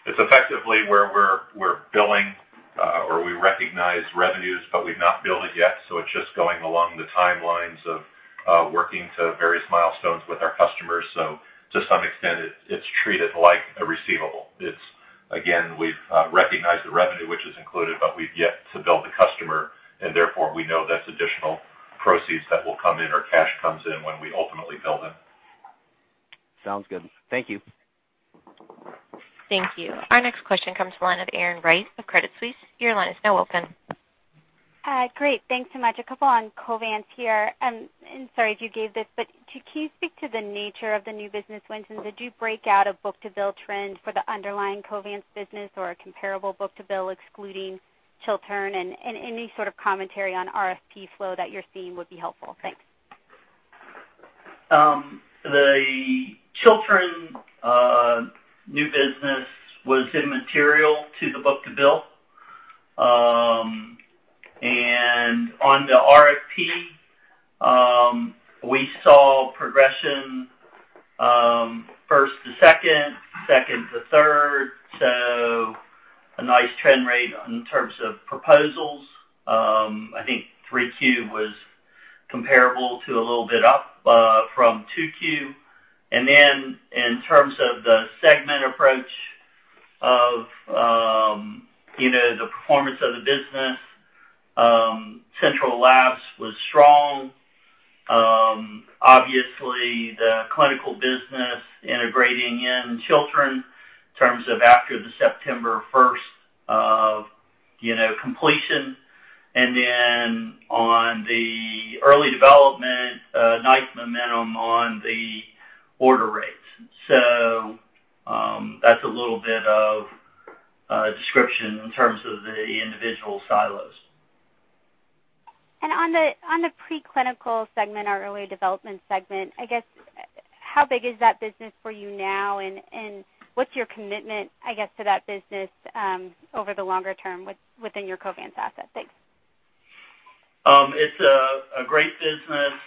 It's effectively where we're billing or we recognize revenues, but we've not billed it yet. It's just going along the timelines of working to various milestones with our customers. To some extent, it's treated like a receivable. Again, we've recognized the revenue, which is included, but we've yet to bill the customer. Therefore, we know that's additional proceeds that will come in or cash comes in when we ultimately bill them. Sounds good. Thank you. Thank you. Our next question comes from line of Erin Wright of Credit Suisse. Your line is now open. Hi. Great. Thanks so much. A couple on Covance here. Sorry if you gave this, but can you speak to the nature of the new business wins? Did you break out a book to bill trend for the underlying Covance business or a comparable book to bill excluding Chiltern? Any sort of commentary on RFP flow that you're seeing would be helpful. Thanks. The Chiltern new business was immaterial to the book to bill. On the RFP, we saw progression first to second, second to third, so a nice trend rate in terms of proposals. I think 3Q was comparable to a little bit up from 2Q. In terms of the segment approach of the performance of the business, Central Labs was strong. Obviously, the clinical business integrating in Chiltern in terms of after the September 1 completion. On the early development, nice momentum on the order rates. That's a little bit of description in terms of the individual silos. On the preclinical segment or early development segment, I guess, how big is that business for you now? What's your commitment, I guess, to that business over the longer term within your Covance asset? Thanks. It's a great business.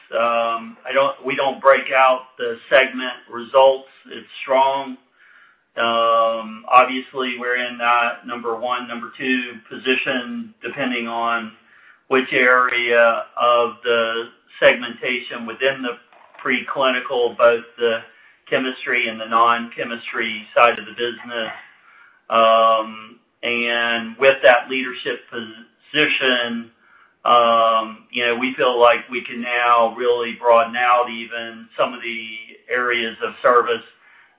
We don't break out the segment results. It's strong. Obviously, we're in number one, number two position depending on which area of the segmentation within the preclinical, both the chemistry and the non-chemistry side of the business. With that leadership position, we feel like we can now really broaden out even some of the areas of service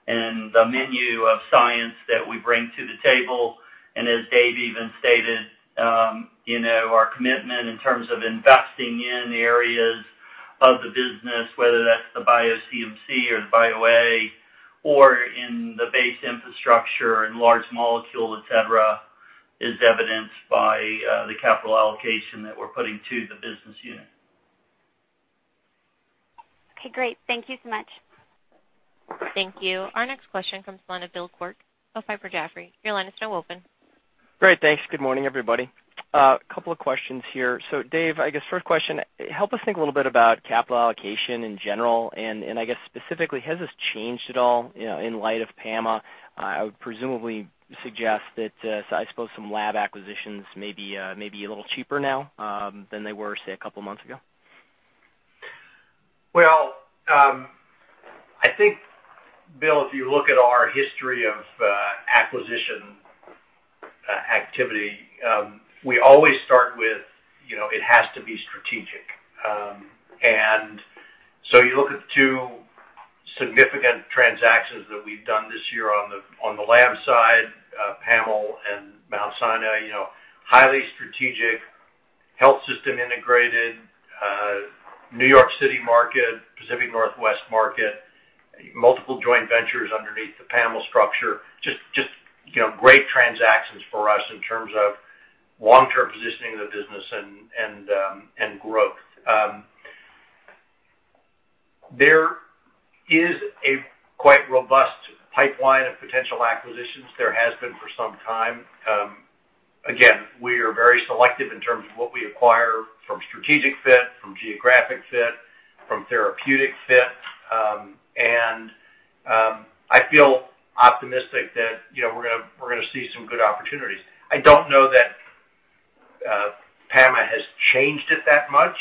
and the menu of science that we bring to the table. As Dave even stated, our commitment in terms of investing in the areas of the business, whether that's the bio-CMC or the bio-A or in the base infrastructure and large molecule, etc., is evidenced by the capital allocation that we're putting to the business unit. Okay. Great. Thank you so much. Thank you. Our next question comes from line of Bill Kort of Piper Jaffray. Your line is now open. Great. Thanks. Good morning, everybody. A couple of questions here. Dave, I guess first question, help us think a little bit about capital allocation in general. I guess specifically, has this changed at all in light of PAMA? I would presumably suggest that, I suppose, some lab acquisitions may be a little cheaper now than they were, say, a couple of months ago. I think, Bill, if you look at our history of acquisition activity, we always start with it has to be strategic. You look at the two significant transactions that we've done this year on the lab side, PAML and Mount Sinai, highly strategic, health system integrated, New York City market, Pacific Northwest market, multiple joint ventures underneath the PAML structure. Just great transactions for us in terms of long-term positioning of the business and growth. There is a quite robust pipeline of potential acquisitions. There has been for some time. Again, we are very selective in terms of what we acquire from strategic fit, from geographic fit, from therapeutic fit. I feel optimistic that we're going to see some good opportunities. I don't know that PAML has changed it that much.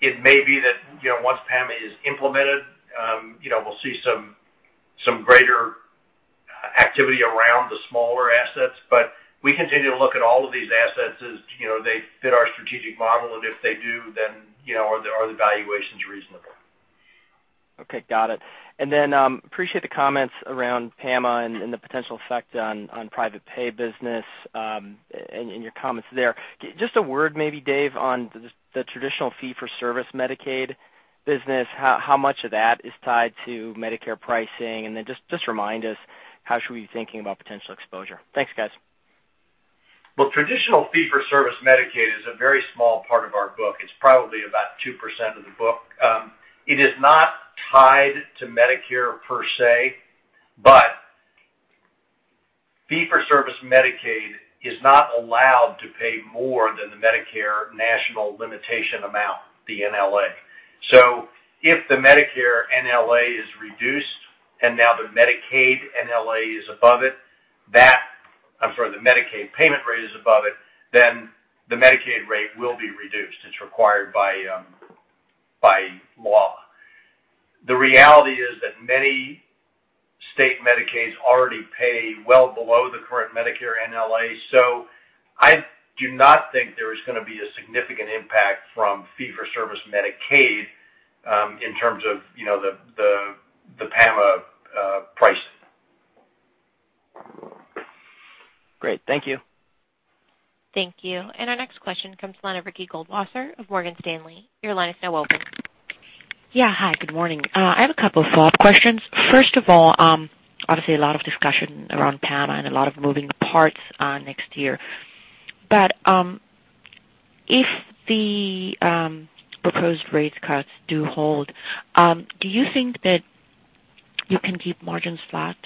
It may be that once PAMA is implemented, we'll see some greater activity around the smaller assets. We continue to look at all of these assets as they fit our strategic model. If they do, then are the valuations reasonable? Okay. Got it. I appreciate the comments around PAMA and the potential effect on private pay business and your comments there. Just a word maybe, Dave, on the traditional fee-for-service Medicaid business. How much of that is tied to Medicare pricing? Just remind us, how should we be thinking about potential exposure? Thanks, guys. Traditional fee-for-service Medicaid is a very small part of our book. It's probably about 2% of the book. It is not tied to Medicare per se, but fee-for-service Medicaid is not allowed to pay more than the Medicare national limitation amount, the NLA. If the Medicare NLA is reduced and now the Medicaid NLA is above it, that, I'm sorry, the Medicaid payment rate is above it, then the Medicaid rate will be reduced. It's required by law. The reality is that many state Medicaids already pay well below the current Medicare NLA. I do not think there is going to be a significant impact from fee-for-service Medicaid in terms of the PAMA pricing. Great. Thank you. Thank you. Our next question comes from line of Ricky Goldwasser of Morgan Stanley. Your line is now open. Yeah. Hi. Good morning. I have a couple of follow-up questions. First of all, obviously, a lot of discussion around PAMA and a lot of moving parts next year. If the proposed rate cuts do hold, do you think that you can keep margins flat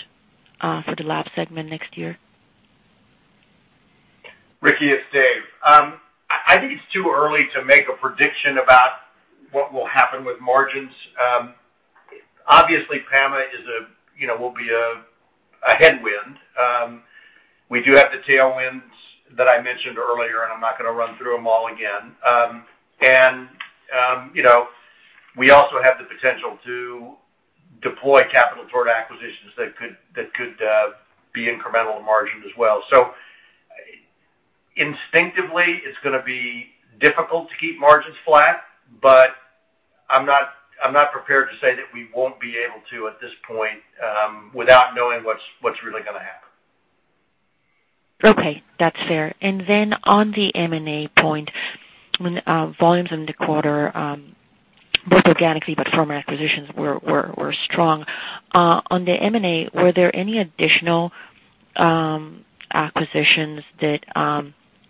for the lab segment next year? Ricky, it's Dave. I think it's too early to make a prediction about what will happen with margins. Obviously, PAMA will be a headwind. We do have the tailwinds that I mentioned earlier, and I'm not going to run through them all again. We also have the potential to deploy capital toward acquisitions that could be incremental margin as well. Instinctively, it's going to be difficult to keep margins flat, but I'm not prepared to say that we won't be able to at this point without knowing what's really going to happen. Okay. That's fair. Then on the M&A point, volumes in the quarter, both organically but from acquisitions, were strong. On the M&A, were there any additional acquisitions that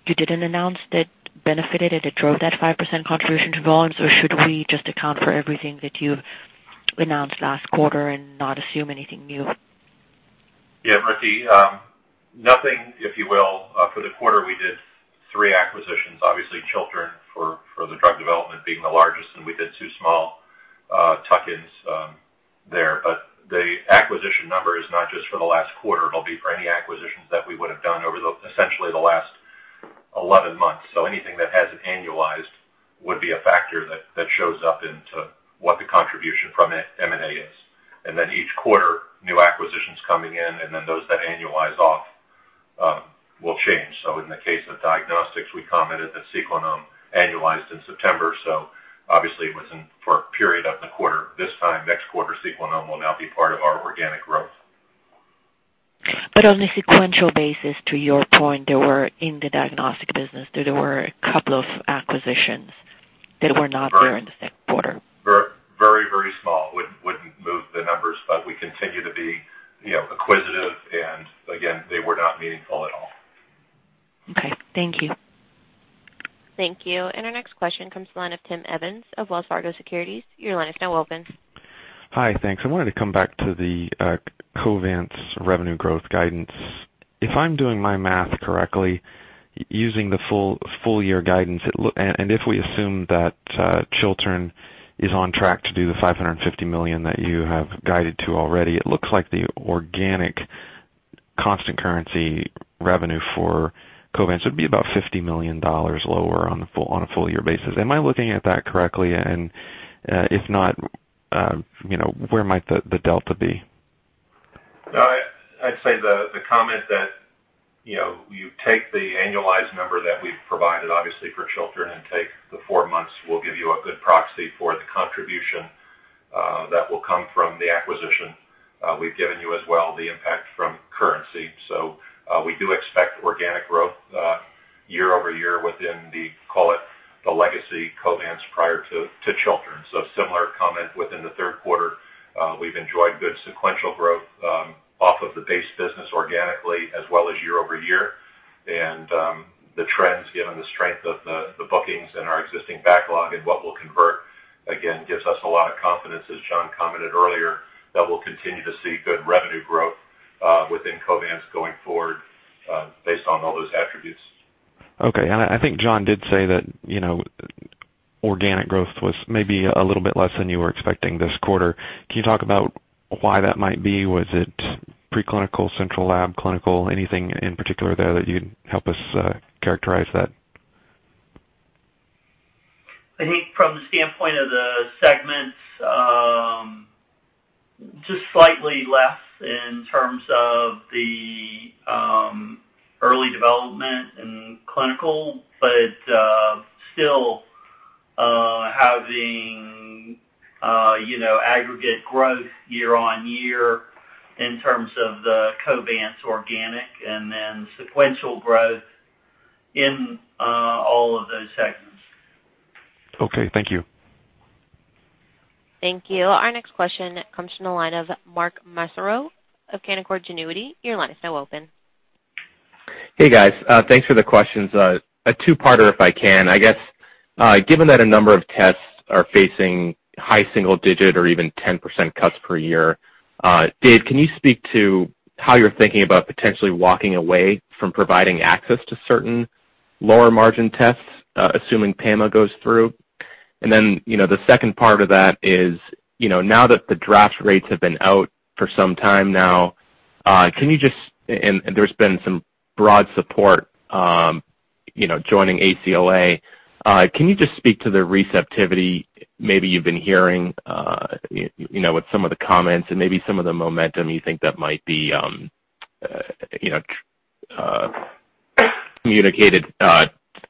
you didn't announce that benefited and drove that 5% contribution to volumes? Or should we just account for everything that you announced last quarter and not assume anything new? Yeah. Ricky, nothing, if you will. For the quarter, we did three acquisitions. Obviously, Chiltern for the drug development being the largest, and we did two small tuck-ins there. The acquisition number is not just for the last quarter. It will be for any acquisitions that we would have done over essentially the last 11 months. Anything that has not annualized would be a factor that shows up into what the contribution from M&A is. Each quarter, new acquisitions coming in, and then those that annualize off will change. In the case of diagnostics, we commented that Sequenom annualized in September. Obviously, it was not for a period of the quarter. This time, next quarter, Sequenom will now be part of our organic growth. On a sequential basis, to your point, in the diagnostic business, there were a couple of acquisitions that were not there in the second quarter. Very, very small. Would not move the numbers, but we continue to be acquisitive. Again, they were not meaningful at all. Okay. Thank you. Thank you. Our next question comes from line of Tim Evans of Wells Fargo Securities. Your line is now open. Hi. Thanks. I wanted to come back to the Covance revenue growth guidance. If I am doing my math correctly, using the full-year guidance, and if we assume that Chiltern is on track to do the $550 million that you have guided to already, it looks like the organic constant currency revenue for Covance would be about $50 million lower on a full-year basis. Am I looking at that correctly? If not, where might the delta be? I'd say the comment that you take the annualized number that we've provided, obviously, for Chiltern and take the four months, will give you a good proxy for the contribution that will come from the acquisition. We've given you as well the impact from currency. We do expect organic growth year over year within the, call it the legacy Covance prior to Chiltern. Similar comment within the third quarter. We've enjoyed good sequential growth off of the base business organically as well as year over year. The trends, given the strength of the bookings and our existing backlog and what we'll convert, again, gives us a lot of confidence, as John commented earlier, that we'll continue to see good revenue growth within Covance going forward based on all those attributes. Okay. I think John did say that organic growth was maybe a little bit less than you were expecting this quarter. Can you talk about why that might be? Was it preclinical, central lab, clinical, anything in particular there that you can help us characterize that? I think from the standpoint of the segments, just slightly less in terms of the early development and clinical, but still having aggregate growth year on year in terms of the Covance organic and then sequential growth in all of those segments. Okay. Thank you. Thank you. Our next question comes from the line of Mark Massaro of Canaccord Genuity. Your line is now open. Hey, guys. Thanks for the questions. A two-parter if I can. I guess given that a number of tests are facing high single-digit or even 10% cuts per year, Dave, can you speak to how you're thinking about potentially walking away from providing access to certain lower margin tests, assuming PAMA goes through? The second part of that is now that the draft rates have been out for some time now, can you just—and there's been some broad support joining ACLA—can you just speak to the receptivity maybe you've been hearing with some of the comments and maybe some of the momentum you think that might be communicated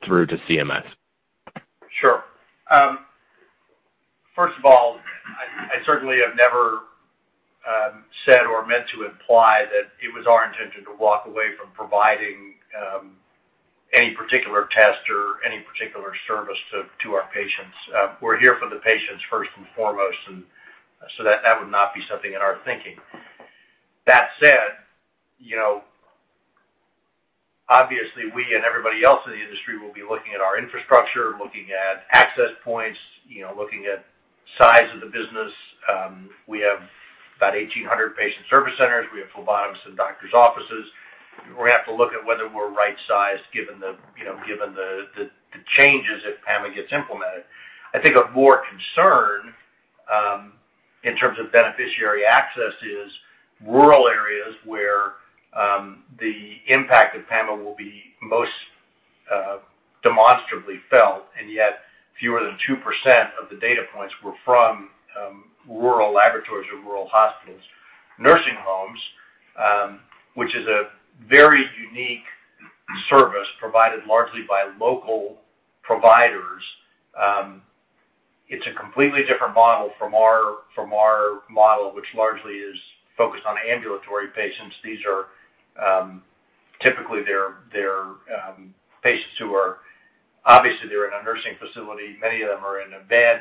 through to CMS? Sure. First of all, I certainly have never said or meant to imply that it was our intention to walk away from providing any particular test or any particular service to our patients. We're here for the patients first and foremost. That would not be something in our thinking. That said, obviously, we and everybody else in the industry will be looking at our infrastructure, looking at access points, looking at size of the business. We have about 1,800 patient service centers. We have phlebotomists in doctors' offices. We're going to have to look at whether we're right-sized given the changes if PAMA gets implemented. I think a more concern in terms of beneficiary access is rural areas where the impact of PAMA will be most demonstrably felt. Yet, fewer than 2% of the data points were from rural laboratories or rural hospitals. Nursing homes, which is a very unique service provided largely by local providers, it's a completely different model from our model, which largely is focused on ambulatory patients. These are typically their patients who are obviously, they're in a nursing facility. Many of them are in a bed.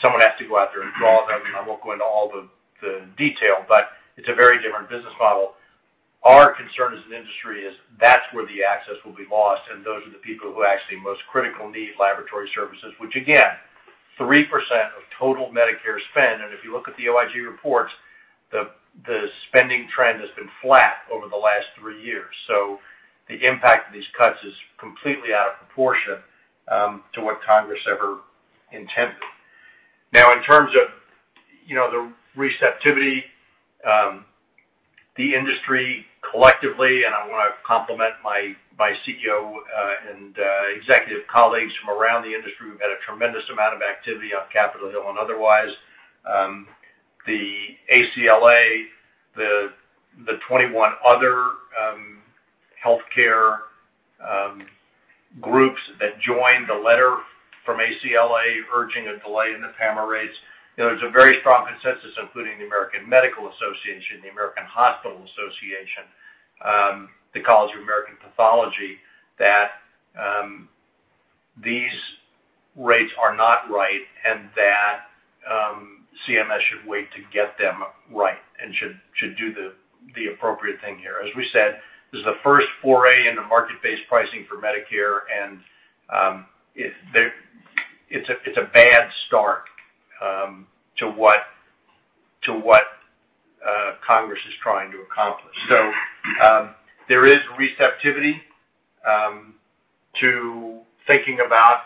Someone has to go out there and draw them. I won't go into all the detail, but it's a very different business model. Our concern as an industry is that's where the access will be lost. Those are the people who actually most critically need laboratory services, which again, 3% of total Medicare spend. If you look at the OIG reports, the spending trend has been flat over the last three years. The impact of these cuts is completely out of proportion to what Congress ever intended. In terms of the receptivity, the industry collectively—and I want to compliment my CEO and executive colleagues from around the industry who've had a tremendous amount of activity on Capitol Hill and otherwise—the ACLA, the 21 other healthcare groups that joined the letter from ACLA urging a delay in the PAMA rates. There's a very strong consensus, including the American Medical Association, the American Hospital Association, the College of American Pathology, that these rates are not right and that CMS should wait to get them right and should do the appropriate thing here. As we said, this is the first foray into market-based pricing for Medicare. It's a bad start to what Congress is trying to accomplish. There is receptivity to thinking about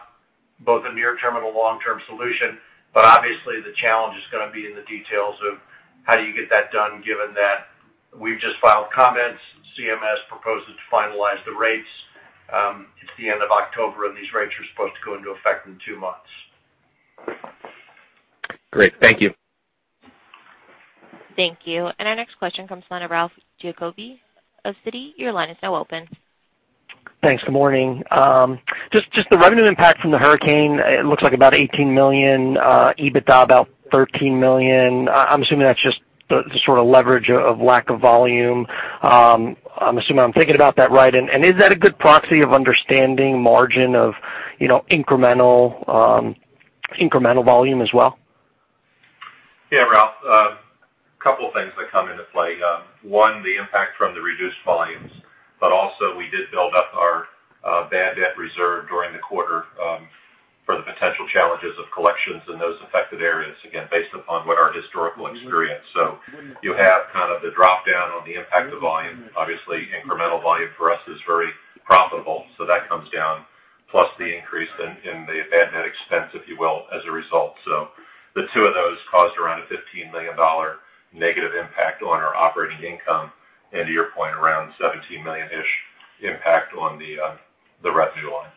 both a near-term and a long-term solution. Obviously, the challenge is going to be in the details of how do you get that done given that we've just filed comments, CMS proposes to finalize the rates. It's the end of October, and these rates are supposed to go into effect in two months. Great. Thank you. Thank you. Our next question comes from line of Ralph Giacobbe of Citi. Your line is now open. Thanks. Good morning. Just the revenue impact from the hurricane, it looks like about $18 million. EBITDA about $13 million. I'm assuming that's just the sort of leverage of lack of volume. I'm assuming I'm thinking about that right. Is that a good proxy of understanding margin of incremental volume as well? Yeah, Ralph. A couple of things that come into play. One, the impact from the reduced volumes. Also, we did build up our bad debt reserve during the quarter for the potential challenges of collections in those affected areas, again, based upon what our historical experience. You have kind of the dropdown on the impact of volume. Obviously, incremental volume for us is very profitable. That comes down, plus the increase in the bad debt expense, if you will, as a result. The two of those caused around a $15 million negative impact on our operating income. To your point, around $17 million-ish impact on the revenue line.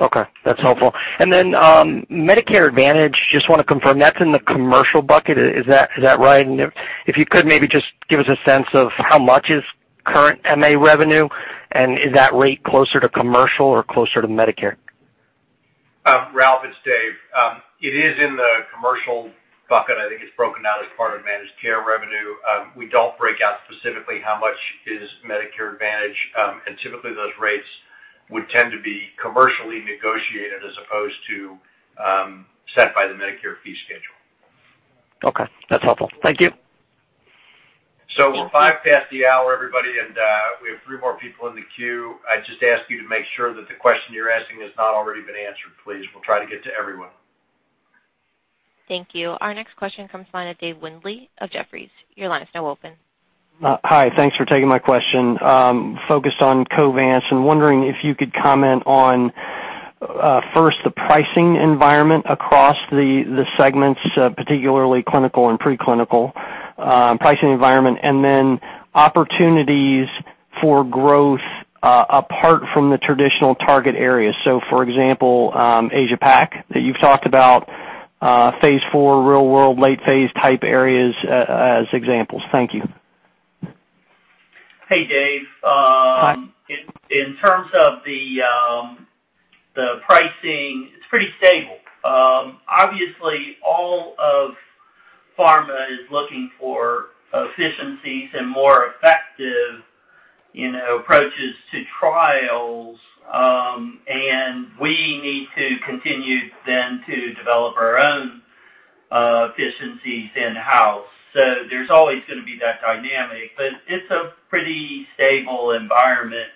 Okay. That's helpful. Medicare Advantage, just want to confirm, that's in the commercial bucket. Is that right? If you could, maybe just give us a sense of how much is current MA revenue. Is that rate closer to commercial or closer to Medicare? Ralph, it's Dave. It is in the commercial bucket. I think it's broken out as part of managed care revenue. We don't break out specifically how much is Medicare Advantage. Typically, those rates would tend to be commercially negotiated as opposed to set by the Medicare fee schedule. Okay. That's helpful. Thank you. We're five past the hour, everybody. We have three more people in the queue. I'd just ask you to make sure that the question you're asking has not already been answered, please. We'll try to get to everyone. Thank you. Our next question comes from line of Dave Windley of Jefferies. Your line is now open. Hi. Thanks for taking my question. Focused on Covance and wondering if you could comment on, first, the pricing environment across the segments, particularly clinical and preclinical pricing environment, and then opportunities for growth apart from the traditional target areas. For example, Asia-Pacific that you've talked about, phase four, real world, late phase type areas as examples. Thank you. Hey, Dave. In terms of the pricing, it's pretty stable. Obviously, all of pharma is looking for efficiencies and more effective approaches to trials. We need to continue then to develop our own efficiencies in-house. There is always going to be that dynamic. It's a pretty stable environment.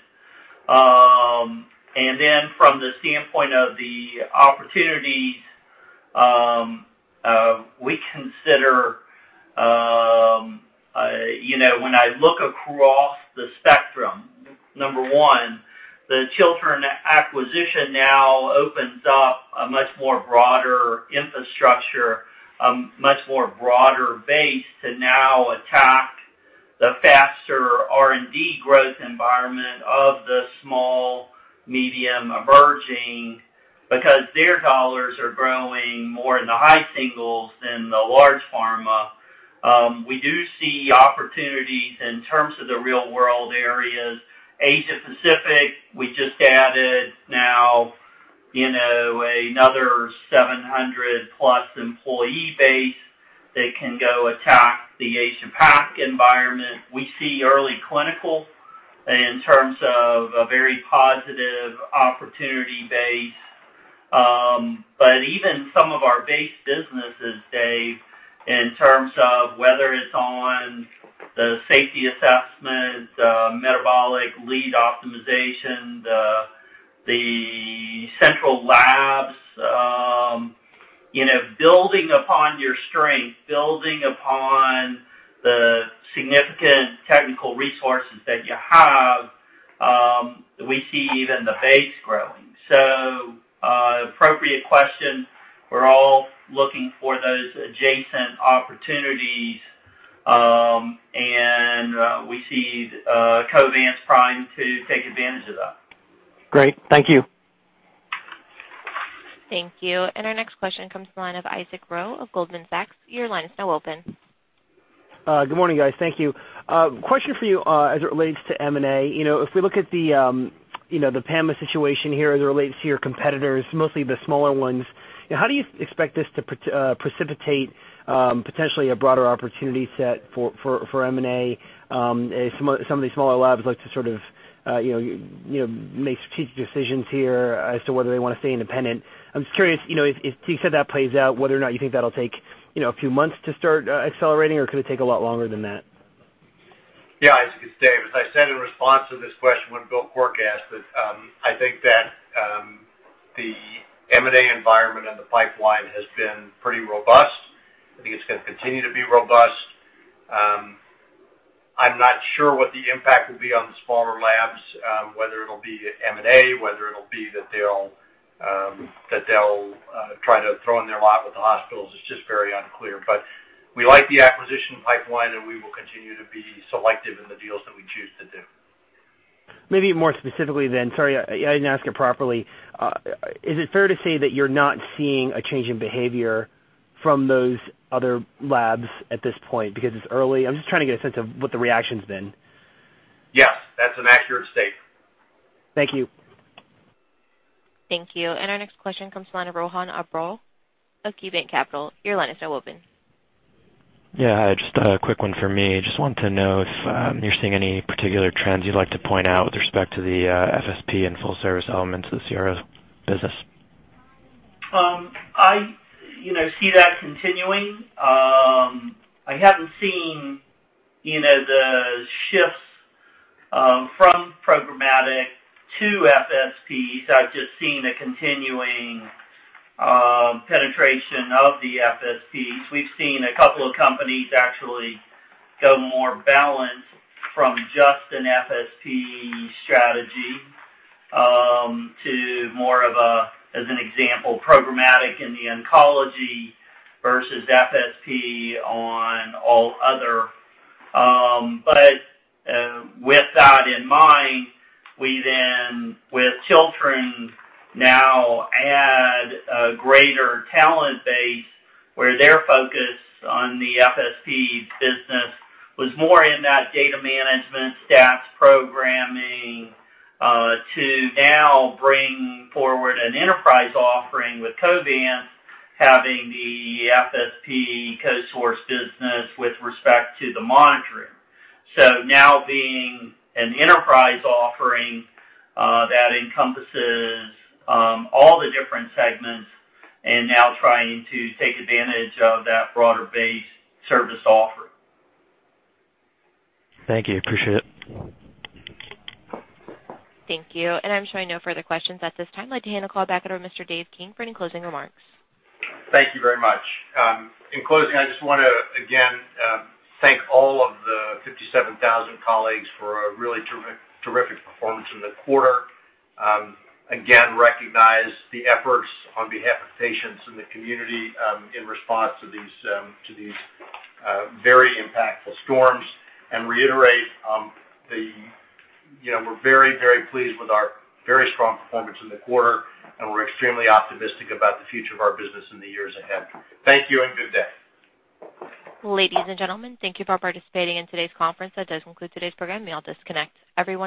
From the standpoint of the opportunities, we consider when I look across the spectrum, number one, the Chiltern acquisition now opens up a much broader infrastructure, a much broader base to now attack the faster R&D growth environment of the small, medium emerging because their dollars are growing more in the high singles than the large pharma. We do see opportunities in terms of the real world areas. Asia-Pacific, we just added now another 700+ employee base that can go attack the Asia-Pac environment. We see early clinical in terms of a very positive opportunity base. Even some of our base businesses, Dave, in terms of whether it's on the safety assessment, the metabolic lead optimization, the central labs, building upon your strength, building upon the significant technical resources that you have, we see even the base growing. Appropriate question. We're all looking for those adjacent opportunities. We see Covance is primed to take advantage of that. Great. Thank you. Thank you. Our next question comes from the line of Isaac Ro of Goldman Sachs. Your line is now open. Good morning, guys. Thank you. Question for you as it relates to M&A. If we look at the PAMA situation here as it relates to your competitors, mostly the smaller ones, how do you expect this to precipitate potentially a broader opportunity set for M&A? Some of these smaller labs like to sort of make strategic decisions here as to whether they want to stay independent. I'm just curious, to the extent that plays out, whether or not you think that'll take a few months to start accelerating, or could it take a lot longer than that? Yeah, as you could say. As I said in response to this question when Bill Quirk asked it, I think that the M&A environment and the pipeline has been pretty robust. I think it's going to continue to be robust. I'm not sure what the impact will be on the smaller labs, whether it'll be M&A, whether it'll be that they'll try to throw in their lot with the hospitals. It's just very unclear. We like the acquisition pipeline, and we will continue to be selective in the deals that we choose to do. Maybe more specifically then, sorry, I didn't ask it properly. Is it fair to say that you're not seeing a change in behavior from those other labs at this point because it's early? I'm just trying to get a sense of what the reaction's been. Yes. That's an accurate state. Thank you. Thank you. Our next question comes from line Rohan Abrol of KeyBanc Capital. Your line is now open. Yeah. Just a quick one for me. Just wanted to know if you're seeing any particular trends you'd like to point out with respect to the FSP and full-service elements of the CRO business. I see that continuing. I haven't seen the shifts from programmatic to FSPs. I've just seen a continuing penetration of the FSPs. We've seen a couple of companies actually go more balanced from just an FSP strategy to more of a, as an example, programmatic in the oncology versus FSP on all other. With that in mind, we then, with Chiltern, now add a greater talent base where their focus on the FSP business was more in that data management, stats programming to now bring forward an enterprise offering with Covance having the FSP co-source business with respect to the monitoring. Now being an enterprise offering that encompasses all the different segments and now trying to take advantage of that broader-based service offering. Thank you. Appreciate it. Thank you. I'm showing no further questions at this time. I'd like to hand the call back over to Mr. Dave King for any closing remarks. Thank you very much. In closing, I just want to, again, thank all of the 57,000 colleagues for a really terrific performance in the quarter. Again, recognize the efforts on behalf of patients and the community in response to these very impactful storms. We are very, very pleased with our very strong performance in the quarter. We are extremely optimistic about the future of our business in the years ahead. Thank you and good day. Ladies and gentlemen, thank you for participating in today's conference. That does conclude today's program. We will disconnect everyone.